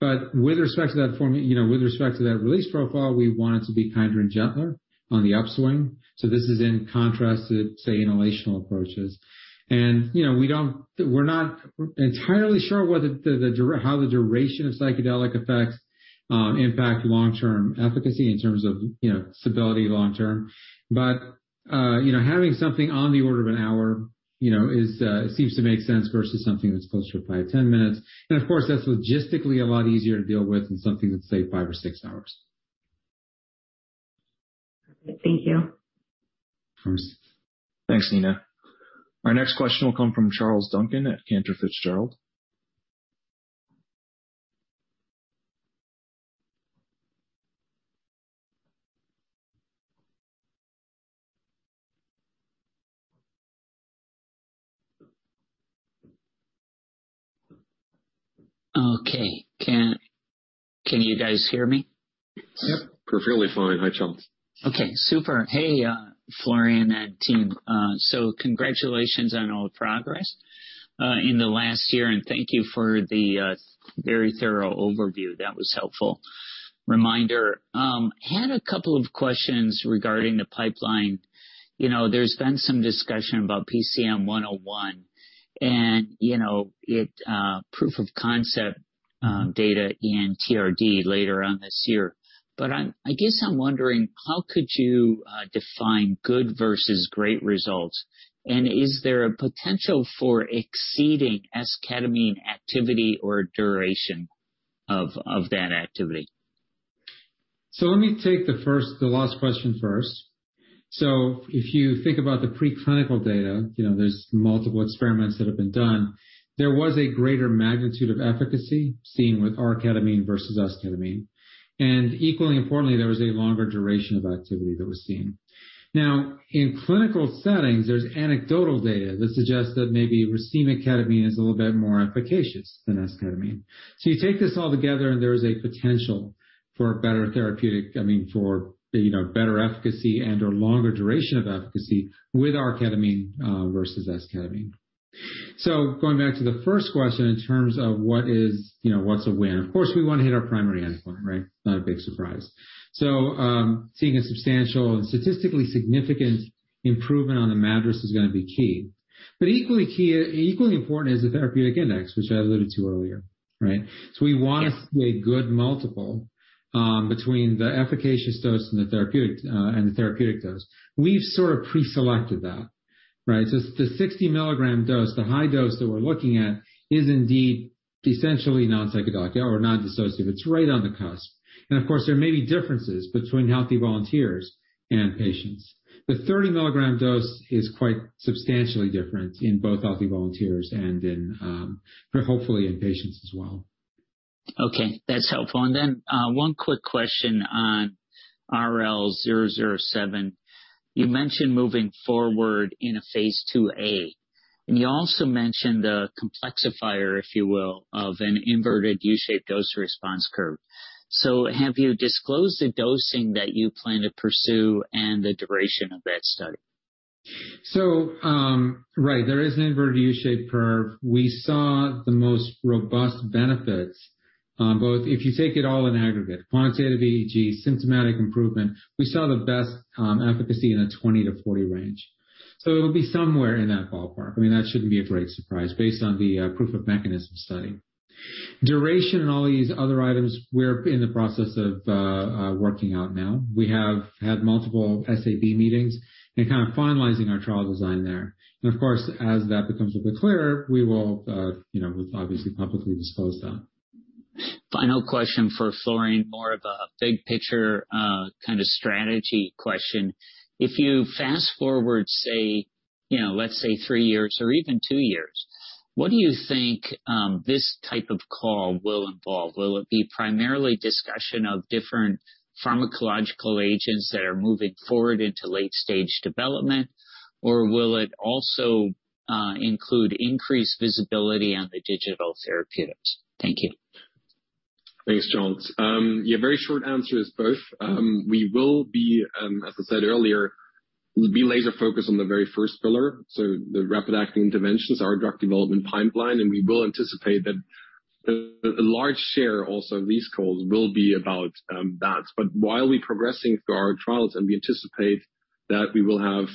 But with respect to that formula, you know, with respect to that release profile, we want it to be kinder and gentler on the upswing. This is in contrast to, say, inhalational approaches. You know, we're not entirely sure whether how the duration of psychedelic effects impact long-term efficacy in terms of, you know, stability long term. You know, having something on the order of an hour, you know, seems to make sense versus something that's closer to probably 10 minutes. Of course, that's logistically a lot easier to deal with than something that's, say, 5 or 6 hours. Thank you. Of course. Thanks, Nina. Our next question will come from Charles Duncan at Cantor Fitzgerald. Okay. Can you guys hear me? Yep. Perfectly fine. Hi, Charles. Okay, super. Hey, Florian and team. Congratulations on all the progress in the last year, and thank you for the very thorough overview. That was helpful. Reminder. Had a couple of questions regarding the pipeline. You know, there's been some discussion about PCN-101 and, you know, it proof of concept data in TRD later on this year. I guess I'm wondering how could you define good versus great results? And is there a potential for exceeding S-ketamine activity or duration of that activity? Let me take the last question first. If you think about the preclinical data, you know, there's multiple experiments that have been done. There was a greater magnitude of efficacy seen with R-ketamine versus S-ketamine. Equally importantly, there was a longer duration of activity that was seen. Now, in clinical settings, there's anecdotal data that suggests that maybe racemic ketamine is a little bit more efficacious than S-ketamine. You take this all together, and there is a potential for better therapeutic, I mean, for, you know, better efficacy and/or longer duration of efficacy with R-ketamine versus S-ketamine. Going back to the first question in terms of what is, you know, what's a win? Of course, we wanna hit our primary endpoint, right? Not a big surprise. Seeing a substantial and statistically significant improvement on the MADRS is gonna be key. Equally key, equally important is the therapeutic index, which I alluded to earlier, right? We want to see a good multiple between the efficacious dose and the therapeutic, and the therapeutic dose. We've sort of pre-selected that, right? It's the 60 milligram dose, the high dose that we're looking at is indeed essentially non-psychedelic or non-dissociative. It's right on the cusp. Of course, there may be differences between healthy volunteers and patients. The 30 milligram dose is quite substantially different in both healthy volunteers and in, hopefully in patients as well. Okay. That's helpful. One quick question on RL-007. You mentioned moving forward in a phase IIa, and you also mentioned the complexifier, if you will, of an inverted U-shaped dose-response curve. Have you disclosed the dosing that you plan to pursue and the duration of that study? Right, there is an inverted U shape curve. We saw the most robust benefits on both. If you take it all in aggregate, quantitative EEG, symptomatic improvement, we saw the best efficacy in a 20-40 range. It'll be somewhere in that ballpark. I mean, that shouldn't be a great surprise based on the proof of mechanism study. Duration and all these other items we're in the process of working out now. We have had multiple SAB meetings and kind of finalizing our trial design there. Of course, as that becomes a bit clearer, we will, you know, we'll obviously publicly disclose that. Final question for Florian, more of a big picture, kind of strategy question. If you fast-forward, say, you know, let's say three years or even two years, what do you think, this type of call will involve? Will it be primarily discussion of different pharmacological agents that are moving forward into late-stage development? Or will it also, include increased visibility on the digital therapeutics? Thank you. Thanks, Charles. Yeah, very short answer is both. We will be, as I said earlier, we'll be laser-focused on the very first pillar, so the rapid-acting dimensions, our drug development pipeline, and we will anticipate that a large share also of these calls will be about that. But while we're progressing through our trials and we anticipate that we will have,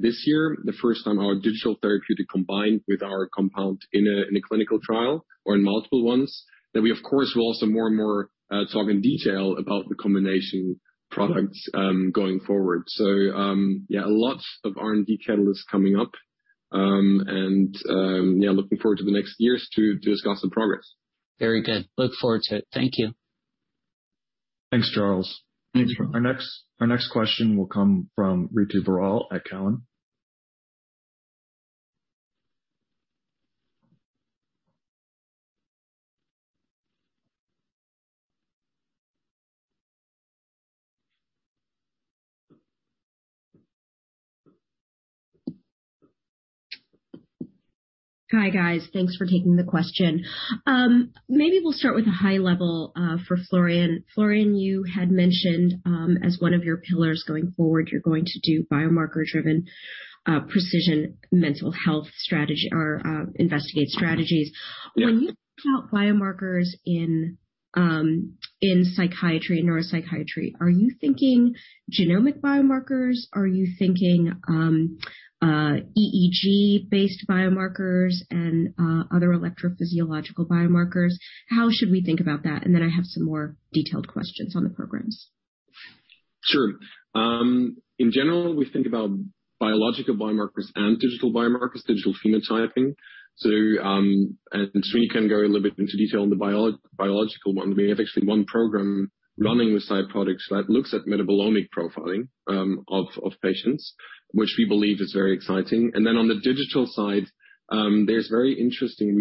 this year, the first time our digital therapeutic combined with our compound in a clinical trial or in multiple ones, then we of course will also more and more talk in detail about the combination products going forward. Yeah, lots of R&D catalysts coming up. Yeah, looking forward to the next years to discuss the progress. Very good. Look forward to it. Thank you. Thanks, Charles. Thanks, Charles. Our next question will come from Ritu Baral at Cowen. Hi, guys. Thanks for taking the question. Maybe we'll start with a high level, for Florian. Florian, you had mentioned, as one of your pillars going forward, you're going to do biomarker driven, precision mental health strategy or, investigate strategies. Yeah. When you count biomarkers in psychiatry and neuropsychiatry, are you thinking genomic biomarkers? Are you thinking EEG-based biomarkers and other electrophysiological biomarkers? How should we think about that? I have some more detailed questions on the programs. Sure. In general, we think about biological biomarkers and digital biomarkers, digital phenotyping. Srini can go a little bit into detail on the biological one. We have actually one program running with PsyProtix that looks at metabolomic profiling of patients, which we believe is very exciting. Then on the digital side, there's very interesting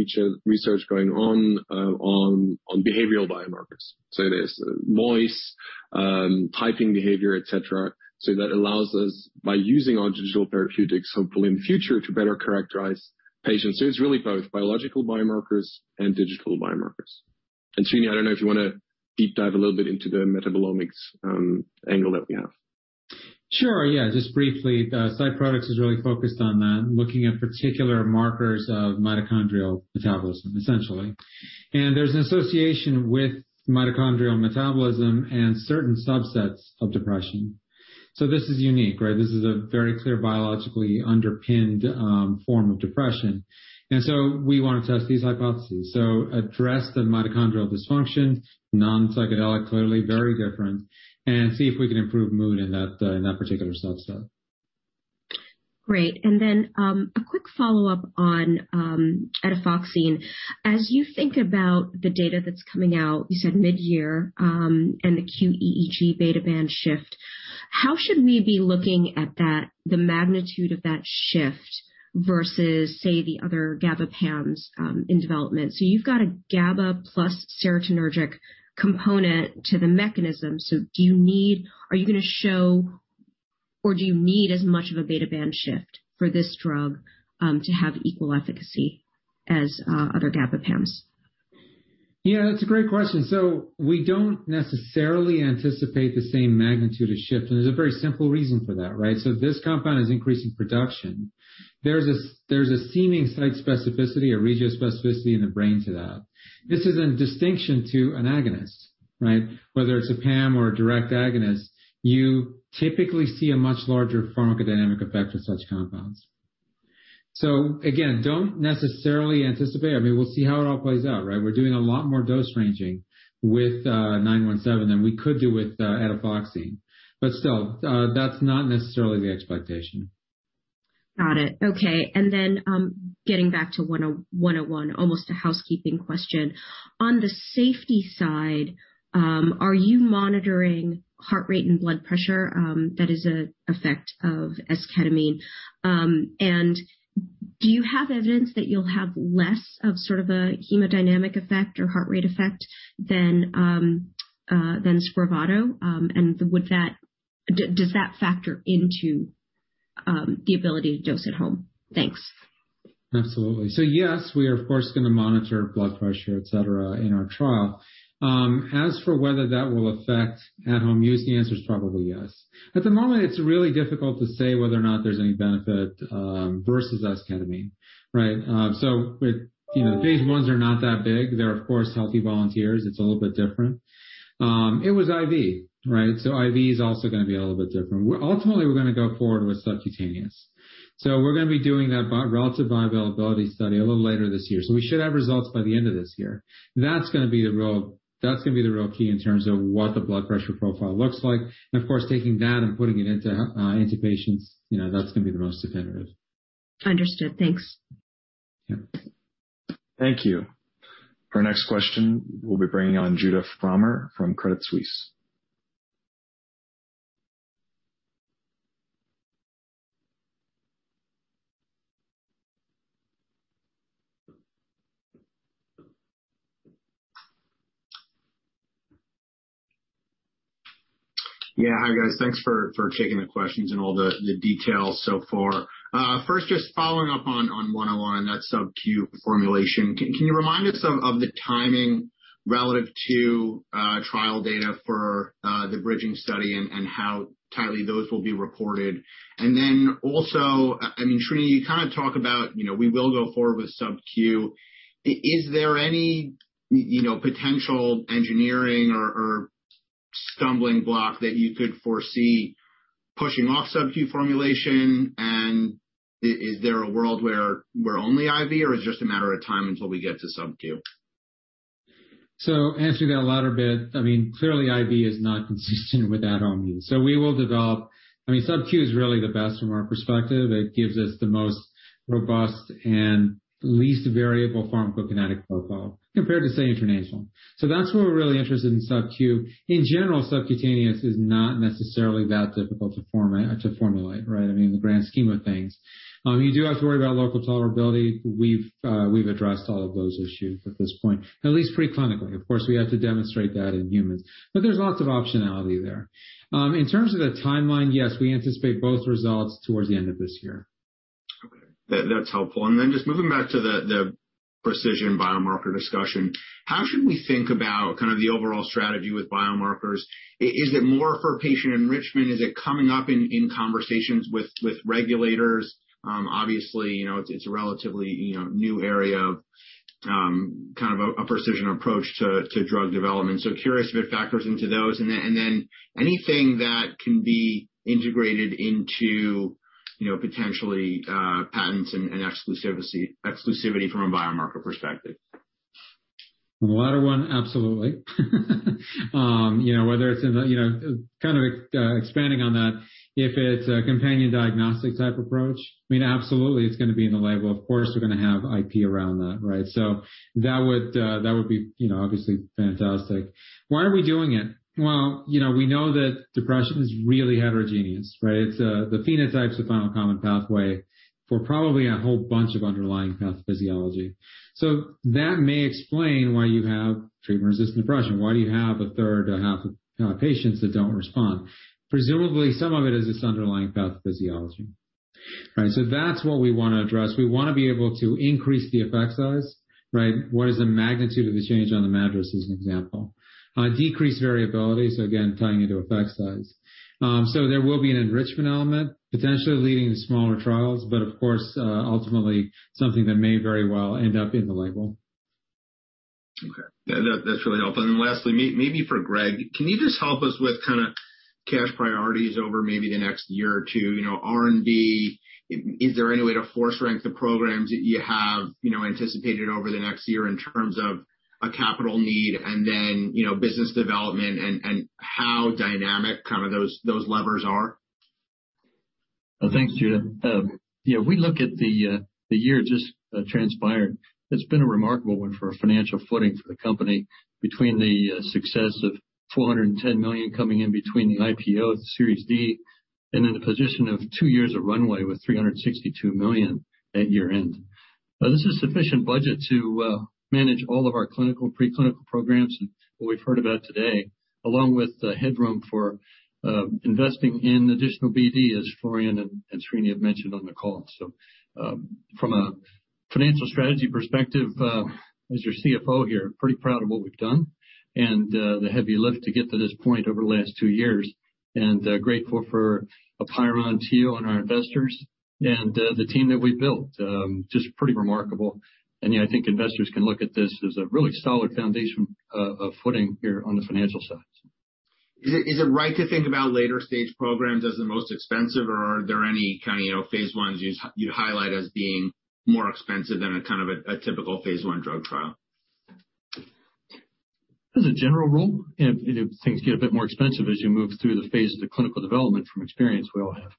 research going on on behavioral biomarkers. There's voice typing behavior, et cetera, so that allows us by using our digital therapeutics hopefully in the future to better characterize patients. It's really both biological biomarkers and digital biomarkers. Srini, I don't know if you wanna deep dive a little bit into the metabolomics angle that we have. Sure, yeah. Just briefly, the PsyProtix is really focused on that, looking at particular markers of mitochondrial metabolism, essentially. There's an association with mitochondrial metabolism and certain subsets of depression. This is unique, right? This is a very clear biologically underpinned form of depression. We want to test these hypotheses. Address the mitochondrial dysfunction, non-psychedelic, clearly very different, and see if we can improve mood in that particular subset. Great. A quick follow-up on etifoxine. As you think about the data that's coming out, you said mid-year, and the qEEG beta band shift, how should we be looking at that, the magnitude of that shift versus, say, the other GABA agents in development? You've got a GABA plus serotonergic component to the mechanism. Are you gonna show or do you need as much of a beta band shift for this drug to have equal efficacy as other GABA agents? Yeah, that's a great question. We don't necessarily anticipate the same magnitude of shift. There's a very simple reason for that, right? This compound is increasing production. There's a seeming site specificity or regio specificity in the brain to that. This is in distinction to an agonist, right? Whether it's a PAM or a direct agonist, you typically see a much larger pharmacodynamic effect with such compounds. Again, don't necessarily anticipate. I mean, we'll see how it all plays out, right? We're doing a lot more dose ranging with 917 than we could do with etifoxine. Still, that's not necessarily the expectation. Got it. Okay. Getting back to 101, almost a housekeeping question. On the safety side, are you monitoring heart rate and blood pressure, that is an effect of S-ketamine? Do you have evidence that you'll have less of sort of a hemodynamic effect or heart rate effect than Spravato? Does that factor into the ability to dose at home? Thanks. Absolutely. Yes, we are of course gonna monitor blood pressure, et cetera, in our trial. As for whether that will affect at-home use, the answer is probably yes. At the moment, it's really difficult to say whether or not there's any benefit versus S-ketamine, right? With, you know, phase I's are not that big. They're of course healthy volunteers. It's a little bit different. It was IV, right? IV is also gonna be a little bit different. Ultimately, we're gonna go forward with subcutaneous. We're gonna be doing that relative bioavailability study a little later this year. We should have results by the end of this year. That's gonna be the real key in terms of what the blood pressure profile looks like. Of course, taking that and putting it into patients, you know, that's gonna be the most definitive. Understood. Thanks. Yeah. Thank you. For our next question, we'll be bringing on Judah Frommer from Credit Suisse. Yeah. Hi, guys. Thanks for taking the questions and all the details so far. First, just following up on 101 and that sub-Q formulation. Can you remind us of the timing relative to trial data for the bridging study and how tightly those will be reported? Then also, I mean, Srini, you kinda talk about, you know, we will go forward with sub-Q. Is there any, you know, potential engineering or stumbling block that you could foresee pushing off sub-Q formulation and is there a world where we're only IV or is it just a matter of time until we get to sub-Q? Answering that latter bit, I mean, clearly IV is not consistent with at home use. We will develop—I mean, sub-Q is really the best from our perspective. It gives us the most robust and least variable pharmacokinetic profile compared to, say, intranasal. That's why we're really interested in sub-Q. In general, subcutaneous is not necessarily that difficult to formulate, right? I mean, in the grand scheme of things. You do have to worry about local tolerability. We've addressed all of those issues at this point, at least pre-clinically. Of course, we have to demonstrate that in humans. There's lots of optionality there. In terms of the timeline, yes, we anticipate both results towards the end of this year. Okay. That's helpful. Then just moving back to the precision biomarker discussion, how should we think about kind of the overall strategy with biomarkers? Is it more for patient enrichment? Is it coming up in conversations with regulators? Obviously, you know, it's a relatively, you know, new area of kind of a precision approach to drug development. Curious if it factors into those. Then anything that can be integrated into, you know, potentially, patents and exclusivity from a biomarker perspective. The latter one, absolutely. You know, whether it's in the expanding on that, if it's a companion diagnostic type approach, I mean, absolutely it's gonna be in the label. Of course, we're gonna have IP around that, right? So that would be, you know, obviously fantastic. Why are we doing it? Well, you know, we know that depression is really heterogeneous, right? It's the phenotype's the final common pathway for probably a whole bunch of underlying pathophysiology. So that may explain why you have treatment-resistant depression. Why do you have a third, a half of patients that don't respond? Presumably, some of it is this underlying pathophysiology. Right. So that's what we wanna address. We wanna be able to increase the effect size, right? What is the magnitude of the change on the MADRS, as an example. Decrease variability, so again, tying into effect size. There will be an enrichment element potentially leading to smaller trials, but of course, ultimately something that may very well end up in the label. Okay. That's really helpful. Then lastly, maybe for Greg, can you just help us with kinda cash priorities over maybe the next year or two, you know, R&D? Is there any way to force rank the programs that you have, you know, anticipated over the next year in terms of a capital need and then, you know, business development and how dynamic kind of those levers are? Thanks, Judah. You know, we look at the year just transpired. It's been a remarkable one for our financial footing for the company between the success of $410 million coming in between the IPO, the Series D, and in a position of two years of runway with $362 million at year-end. This is sufficient budget to manage all of our clinical and pre-clinical programs and what we've heard about today, along with the headroom for investing in additional BD, as Florian and Srini have mentioned on the call. From a financial strategy perspective, as your CFO here, pretty proud of what we've done and the heavy lift to get to this point over the last two years, and grateful for apperian to you and our investors and the team that we built, just pretty remarkable. You know, I think investors can look at this as a really solid foundation, footing here on the financial side. Is it right to think about later stage programs as the most expensive, or are there any kind of, you know, phase I's you'd highlight as being more expensive than a kind of a typical phase I drug trial? As a general rule, things get a bit more expensive as you move through the phases of clinical development from the experience we all have.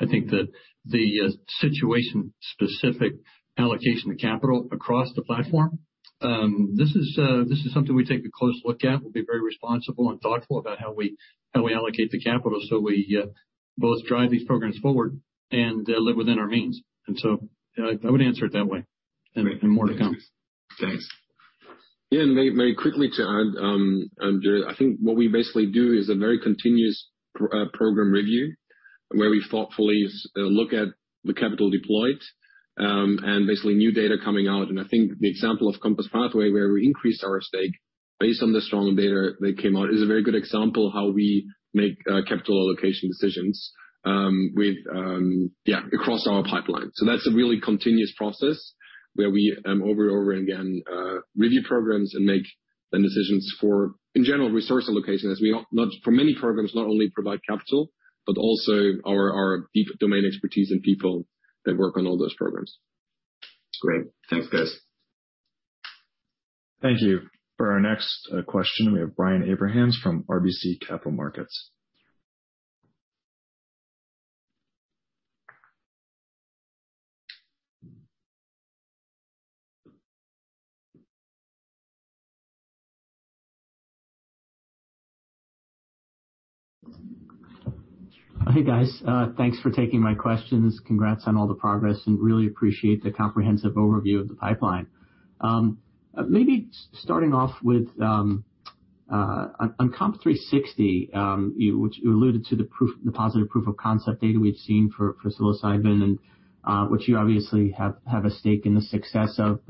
I think that the situation specific allocation of capital across the platform, this is something we take a close look at. We'll be very responsible and thoughtful about how we allocate the capital, so we both drive these programs forward and live within our means. I would answer it that way and more to come. Thanks. Yeah. Very, very quickly to add, Judah. I think what we basically do is a very continuous program review where we thoughtfully look at the capital deployed, and basically new data coming out. I think the example of Compass Pathways, where we increased our stake based on the strong data that came out, is a very good example how we make capital allocation decisions, with, yeah, across our pipeline. That's a really continuous process where we, over and over again, review programs and make the decisions for, in general, resource allocation as we, for many programs, not only provide capital, but also our deep domain expertise and people that work on all those programs. Great. Thanks, guys. Thank you. For our next question, we have Brian Abrahams from RBC Capital Markets. Hey, guys. Thanks for taking my questions. Congrats on all the progress and really appreciate the comprehensive overview of the pipeline. Maybe starting off with on COMP360, which you alluded to the positive proof of concept data we've seen for psilocybin and which you obviously have a stake in the success of.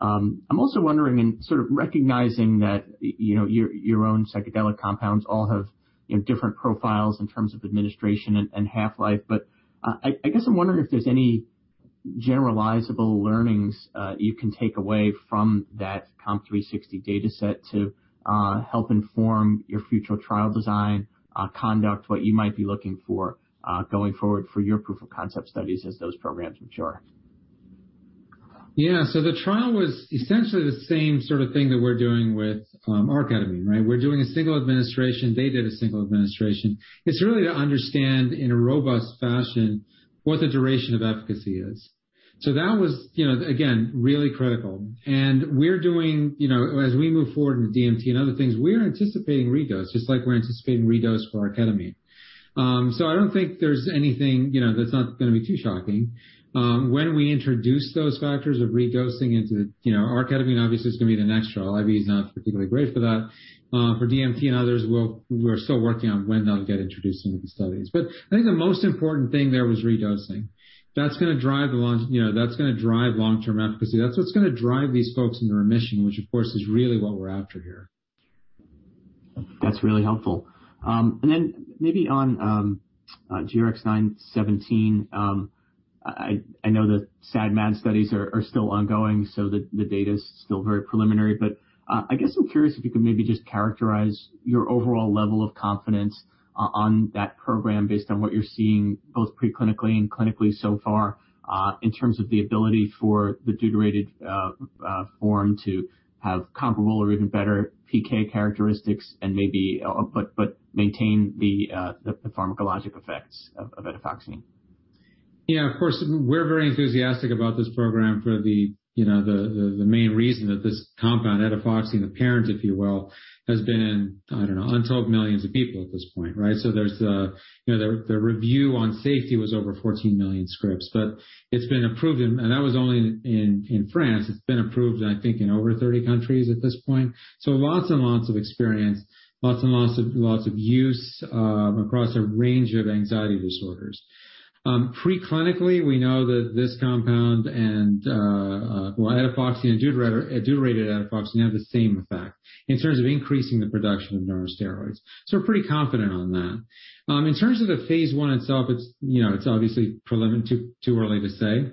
I'm also wondering and sort of recognizing that, you know, your own psychedelic compounds all have, you know, different profiles in terms of administration and half-life. I guess I'm wondering if there's any generalizable learnings you can take away from that COMP360 data set to help inform your future trial design, conduct, what you might be looking for, going forward for your proof of concept studies as those programs mature. Yeah. The trial was essentially the same sort of thing that we're doing with R-ketamine, right? We're doing a single administration. They did a single administration. It's really to understand in a robust fashion what the duration of efficacy is. That was, you know, again, really critical. We're doing, you know, as we move forward with DMT and other things, we're anticipating redose, just like we're anticipating redose for R-ketamine. I don't think there's anything, you know, that's not gonna be too shocking. When we introduce those factors of redosing into, you know, R-ketamine obviously is gonna be the next trial. IV is not particularly great for that. For DMT and others, we're still working on when they'll get introduced into the studies. I think the most important thing there was redosing. That's gonna drive long-term efficacy. That's what's gonna drive these folks into remission, which of course is really what we're after here. That's really helpful. Maybe on GRX-917, I know the SAD MAD studies are still ongoing, so the data's still very preliminary. I guess I'm curious if you could maybe just characterize your overall level of confidence on that program based on what you're seeing both pre-clinically and clinically so far, in terms of the ability for the deuterated form to have comparable or even better PK characteristics and maybe but maintain the pharmacologic effects of etifoxine. Yeah, of course, we're very enthusiastic about this program for you know, the main reason that this compound, etifoxine, the parent, if you will, has been, I don't know, on 12 million people at this point, right? So there's you know, the review on safety was over 14 million scripts, but it's been approved in France, and that was only in France. It's been approved, I think, in over 30 countries at this point. So lots of experience, lots of use across a range of anxiety disorders. Pre-clinically, we know that this compound and etifoxine and deuterated etifoxine have the same effect in terms of increasing the production of neurosteroids. So we're pretty confident on that. In terms of the phase I itself, it's, you know, it's obviously too early to say.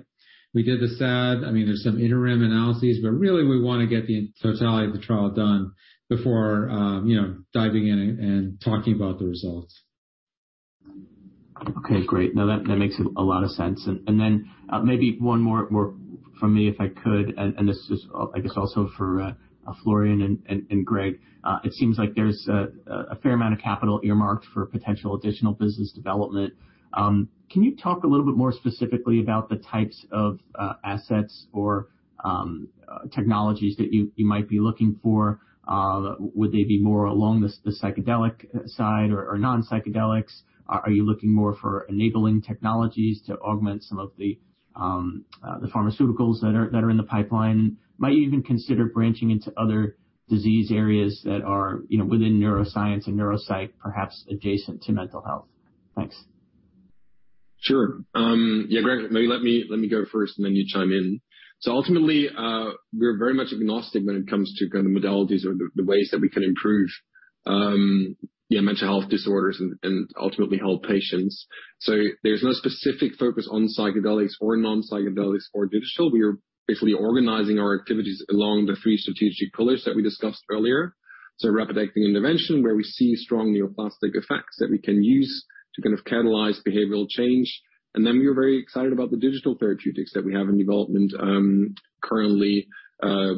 We did the SAD. I mean, there's some interim analyses, but really we wanna get the totality of the trial done before, you know, diving in and talking about the results. Okay, great. No, that makes a lot of sense. Then maybe one more from me if I could. This is I guess also for Florian and Greg. It seems like there's a fair amount of capital earmarked for potential additional business development. Can you talk a little bit more specifically about the types of assets or technologies that you might be looking for? Would they be more along the psychedelic side or non-psychedelics? Are you looking more for enabling technologies to augment some of the pharmaceuticals that are in the pipeline? Might you even consider branching into other disease areas that are within neuroscience and neuropsych, perhaps adjacent to mental health? Thanks. Sure. Yeah, Greg, maybe let me go first, and then you chime in. Ultimately, we're very much agnostic when it comes to kind of modalities or the ways that we can improve mental health disorders and ultimately help patients. There's no specific focus on psychedelics or non-psychedelics or digital. We are basically organizing our activities along the three strategic pillars that we discussed earlier. Rapid-acting intervention, where we see strong neuroplastic effects that we can use to kind of catalyze behavioral change. We are very excited about the digital therapeutics that we have in development currently,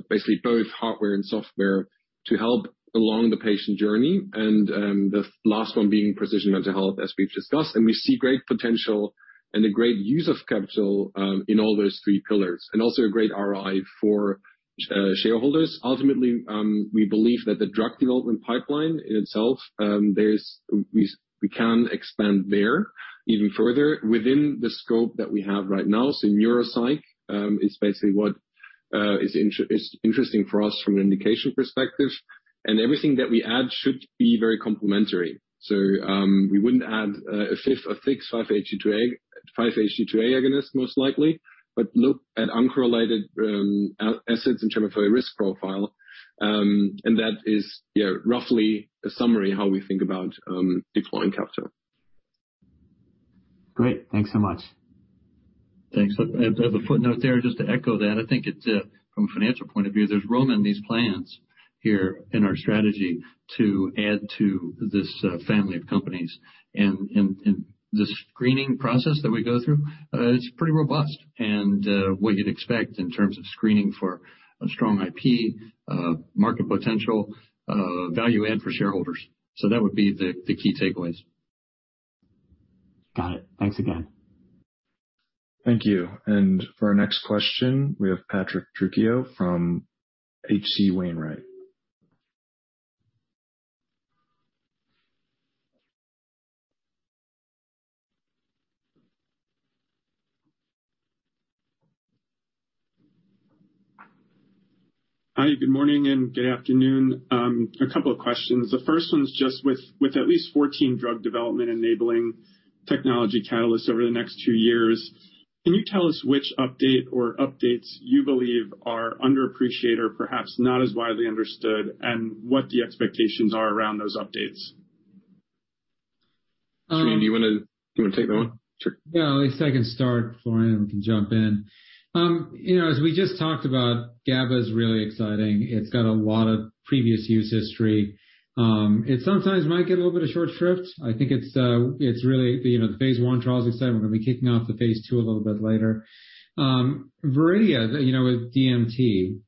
basically both hardware and software to help along the patient journey. The last one being precision mental health, as we've discussed. We see great potential and a great use of capital, in all those three pillars, and also a great ROI for shareholders. Ultimately, we believe that the drug development pipeline in itself, we can expand there even further within the scope that we have right now. Neuropsych is basically what is interesting for us from an indication perspective. Everything that we add should be very complementary. We wouldn't add a 5-HT2A agonist most likely, but look at uncorrelated assets in terms of a risk profile. That is, you know, roughly a summary how we think about deploying capital. Great. Thanks so much. Thanks. I have a footnote there just to echo that. I think it's from a financial point of view, there's room in these plans here in our strategy to add to this family of companies. The screening process that we go through is pretty robust and what you'd expect in terms of screening for a strong IP, market potential, value add for shareholders. That would be the key takeaways. Got it. Thanks again. Thank you. For our next question, we have Patrick Trucchio from H.C. Wainwright. Hi, good morning and good afternoon. A couple of questions. The first one's just with at least 14 drug development enabling technology catalysts over the next 2 years, can you tell us which update or updates you believe are underappreciated or perhaps not as widely understood, and what the expectations are around those updates? Srini, do you wanna take that one? Sure. Yeah. At least I can start, Florian, we can jump in. You know, as we just talked about, GABA is really exciting. It's got a lot of previous use history. It sometimes might get a little bit of short shrift. I think it's really, you know, the phase I trial is exciting. We're gonna be kicking off the phase II a little bit later. Viridia, you know, with DMT,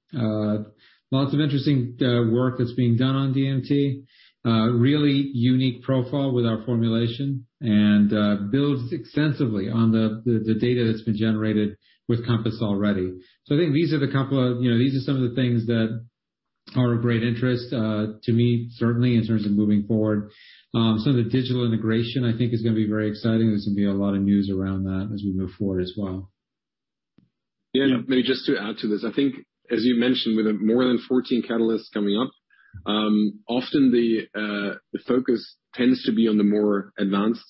lots of interesting work that's being done on DMT, really unique profile with our formulation and builds extensively on the data that's been generated with Compass already. I think these are some of the things that are of great interest to me, certainly in terms of moving forward. Some of the digital integration I think is gonna be very exciting. There's gonna be a lot of news around that as we move forward as well. Yeah. Maybe just to add to this, I think as you mentioned, with more than 14 catalysts coming up, often the focus tends to be on the more advanced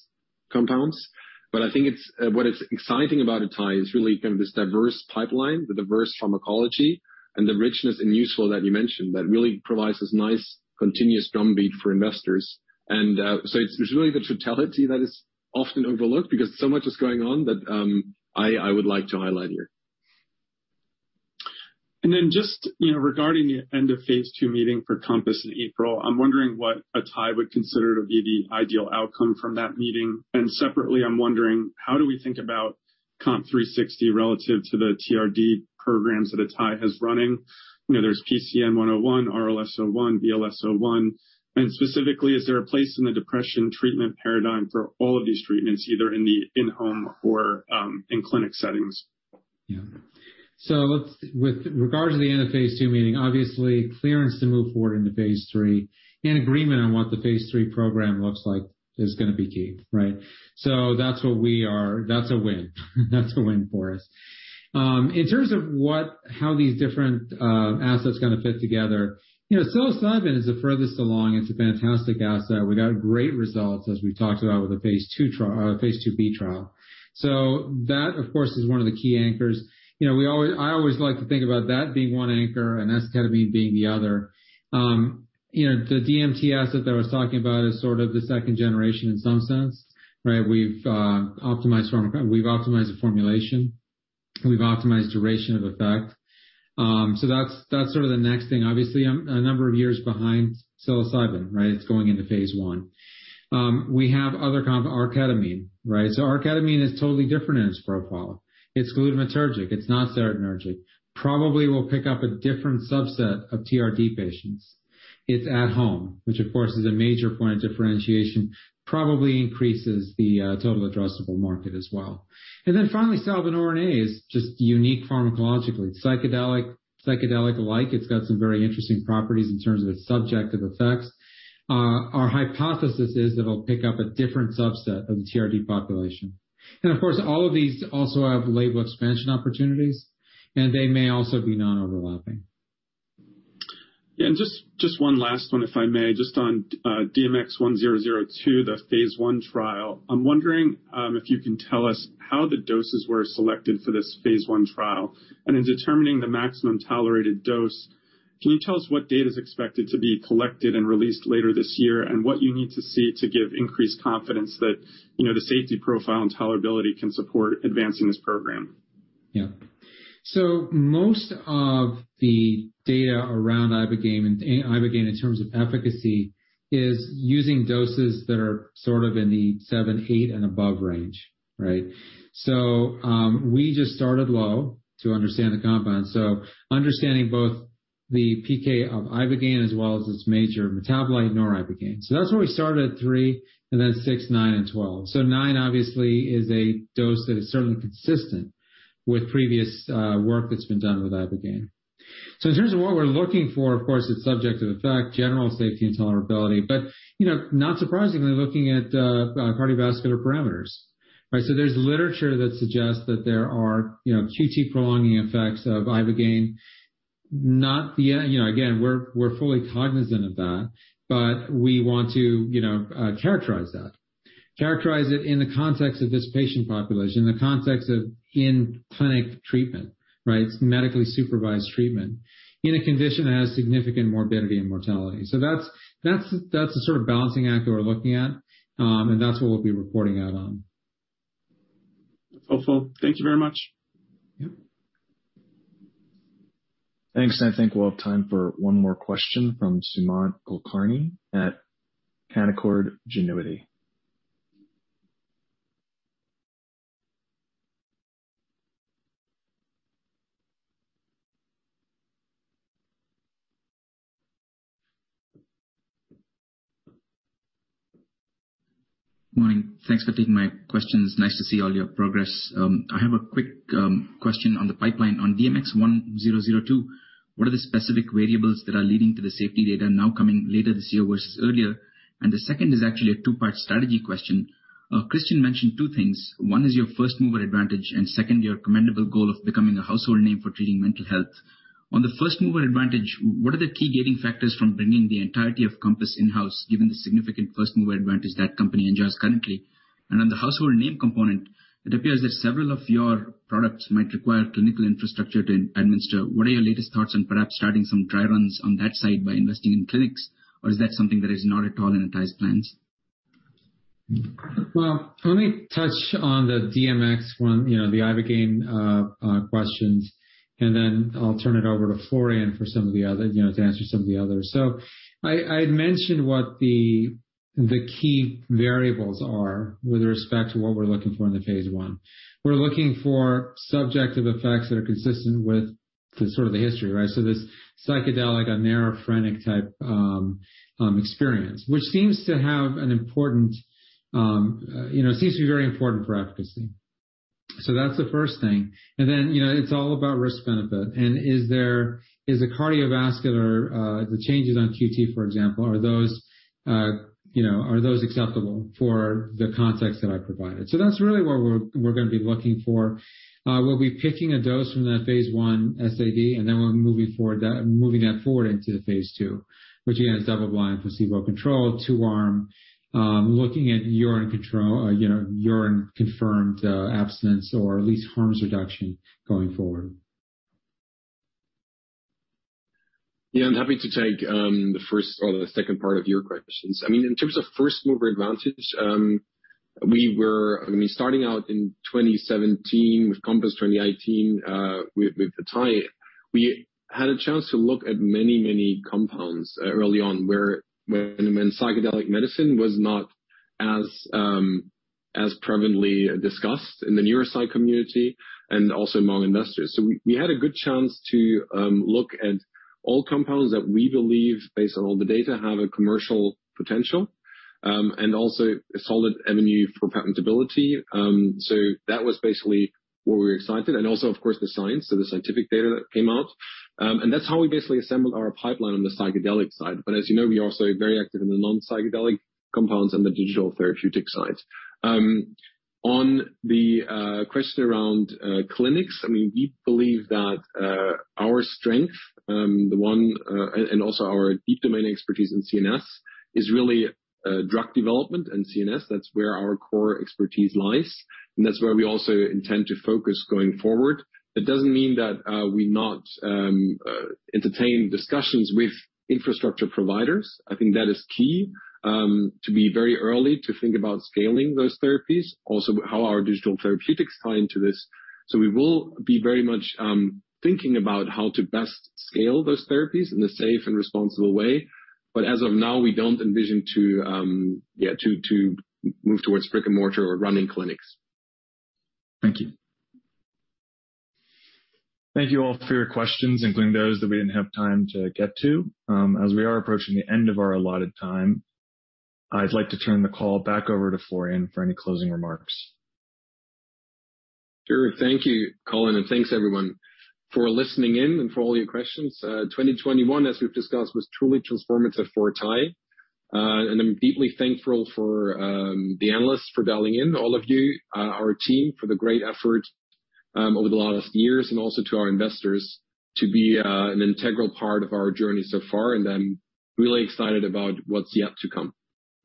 compounds. I think it's what is exciting about Atai is really kind of this diverse pipeline, the diverse pharmacology and the richness and useful that you mentioned that really provides this nice continuous drumbeat for investors. It's really the totality that is often overlooked because so much is going on that I would like to highlight here. Then just, you know, regarding the end of phase II meeting for Compass in April, I'm wondering what Atai would consider to be the ideal outcome from that meeting. Separately, I'm wondering how do we think about COMP360 relative to the TRD programs that Atai has running. You know, there's PCN-101, RLS-01, VLS-01. Specifically, is there a place in the depression treatment paradigm for all of these treatments, either in the in-home or in-clinic settings? With regards to the end of phase II meeting, obviously clearance to move forward into phase III and agreement on what the phase III program looks like is gonna be key, right? That's a win. That's a win for us. In terms of how these different assets gonna fit together, you know, psilocybin is the furthest along. It's a fantastic asset. We got great results, as we talked about with the phase IIb trial. That, of course, is one of the key anchors. You know, I always like to think about that being one anchor and esketamine being the other. You know, the DMT asset that I was talking about is sort of the second generation in some sense, right? We've optimized pharma. We've optimized the formulation. We've optimized duration of effect. That's sort of the next thing. Obviously, I'm a number of years behind psilocybin, right? It's going into phase I. Our ketamine, right? Our ketamine is totally different in its profile. It's glutamatergic. It's not serotonergic. Probably will pick up a different subset of TRD patients. It's at-home, which of course is a major point of differentiation, probably increases the total addressable market as well. Then finally, salvinorin A is just unique pharmacologically. Psychedelic, psychedelic-like. It's got some very interesting properties in terms of its subjective effects. Our hypothesis is it'll pick up a different subset of the TRD population. Of course, all of these also have label expansion opportunities, and they may also be non-overlapping. Yeah. Just one last one, if I may. Just on DMX-1002, the phase I trial. I'm wondering if you can tell us how the doses were selected for this phase I trial. In determining the maximum tolerated dose, can you tell us what data is expected to be collected and released later this year and what you need to see to give increased confidence that you know the safety profile and tolerability can support advancing this program? Yeah. Most of the data around ibogaine in terms of efficacy is using doses that are sort of in the 7, 8, and above range, right? We just started low to understand the compound. Understanding both the PK of ibogaine as well as its major metabolite noribogaine. That's why we started at 3 and then 6, 9 and 12. Nine obviously is a dose that is certainly consistent with previous work that's been done with ibogaine. In terms of what we're looking for, of course it's subject to the effect, general safety and tolerability. You know, not surprisingly, looking at cardiovascular parameters, right? There's literature that suggests that there are, you know, QT prolonging effects of ibogaine. You know, again, we're fully cognizant of that, but we want to, you know, characterize that. Characterize it in the context of this patient population, in the context of in-clinic treatment, right? It's medically supervised treatment in a condition that has significant morbidity and mortality. That's the sort of balancing act that we're looking at. That's what we'll be reporting out on. Hopeful. Thank you very much. Yep. Thanks. I think we'll have time for one more question from Sumant Kulkarni at Canaccord Genuity. Morning. Thanks for taking my questions. Nice to see all your progress. I have a quick question on the pipeline on DMX-1002. What are the specific variables that are leading to the safety data now coming later this year versus earlier? The second is actually a two-part strategy question. Christian mentioned two things. One is your first mover advantage, and second, your commendable goal of becoming a household name for treating mental health. On the first mover advantage, what are the key gating factors from bringing the entirety of Compass in-house, given the significant first mover advantage that company enjoys currently? On the household name component, it appears that several of your products might require clinical infrastructure to administer. What are your latest thoughts on perhaps starting some dry runs on that side by investing in clinics? Is that something that is not at all in atai’s plans? Well, let me touch on the DMX one, you know, the ibogaine questions, and then I'll turn it over to Florian for some of the other, you know, to answer some of the others. I had mentioned what the key variables are with respect to what we're looking for in the phase I. We're looking for subjective effects that are consistent with the sort of the history, right? This psychedelic, oneirophrenic type experience, which seems to be very important for efficacy. That's the first thing. You know, it's all about risk benefit. Is the cardiovascular, the changes on QT, for example, are those, you know, are those acceptable for the context that I provided? That's really what we're gonna be looking for. We'll be picking a dose from the phase I SAD, and then we're moving that forward into the phase II, which again, is double-blind, placebo-controlled, two-arm, looking at urine control, you know, urine confirmed, abstinence or at least harm reduction going forward. Yeah. I'm happy to take the first or the second part of your questions. I mean, in terms of first mover advantage, I mean, starting out in 2017 with Compass, 2018 with atai, we had a chance to look at many, many compounds early on when psychedelic medicine was not as prevalently discussed in the neuroscience community and also among investors. We had a good chance to look at all compounds that we believe based on all the data have a commercial potential and also a solid avenue for patentability. That was basically where we're excited and also of course the science, so the scientific data that came out. That's how we basically assembled our pipeline on the psychedelic side. As you know, we are also very active in the non-psychedelic compounds and the digital therapeutic side. On the question around clinics, I mean, we believe that our strength, the one and also our deep domain expertise in CNS is really drug development and CNS. That's where our core expertise lies, and that's where we also intend to focus going forward. That doesn't mean that we do not entertain discussions with infrastructure providers. I think that is key to be very early to think about scaling those therapies, also how our digital therapeutics tie into this. We will be very much thinking about how to best scale those therapies in a safe and responsible way. As of now, we don't envision to move towards brick-and-mortar or running clinics. Thank you. Thank you all for your questions, including those that we didn't have time to get to. As we are approaching the end of our allotted time, I'd like to turn the call back over to Florian for any closing remarks. Sure. Thank you, Colin, and thanks everyone for listening in and for all your questions. 2021, as we've discussed, was truly transformative for atai. I'm deeply thankful for the analysts for dialing in, all of you, our team for the great effort over the last years and also to our investors to be an integral part of our journey so far. I'm really excited about what's yet to come.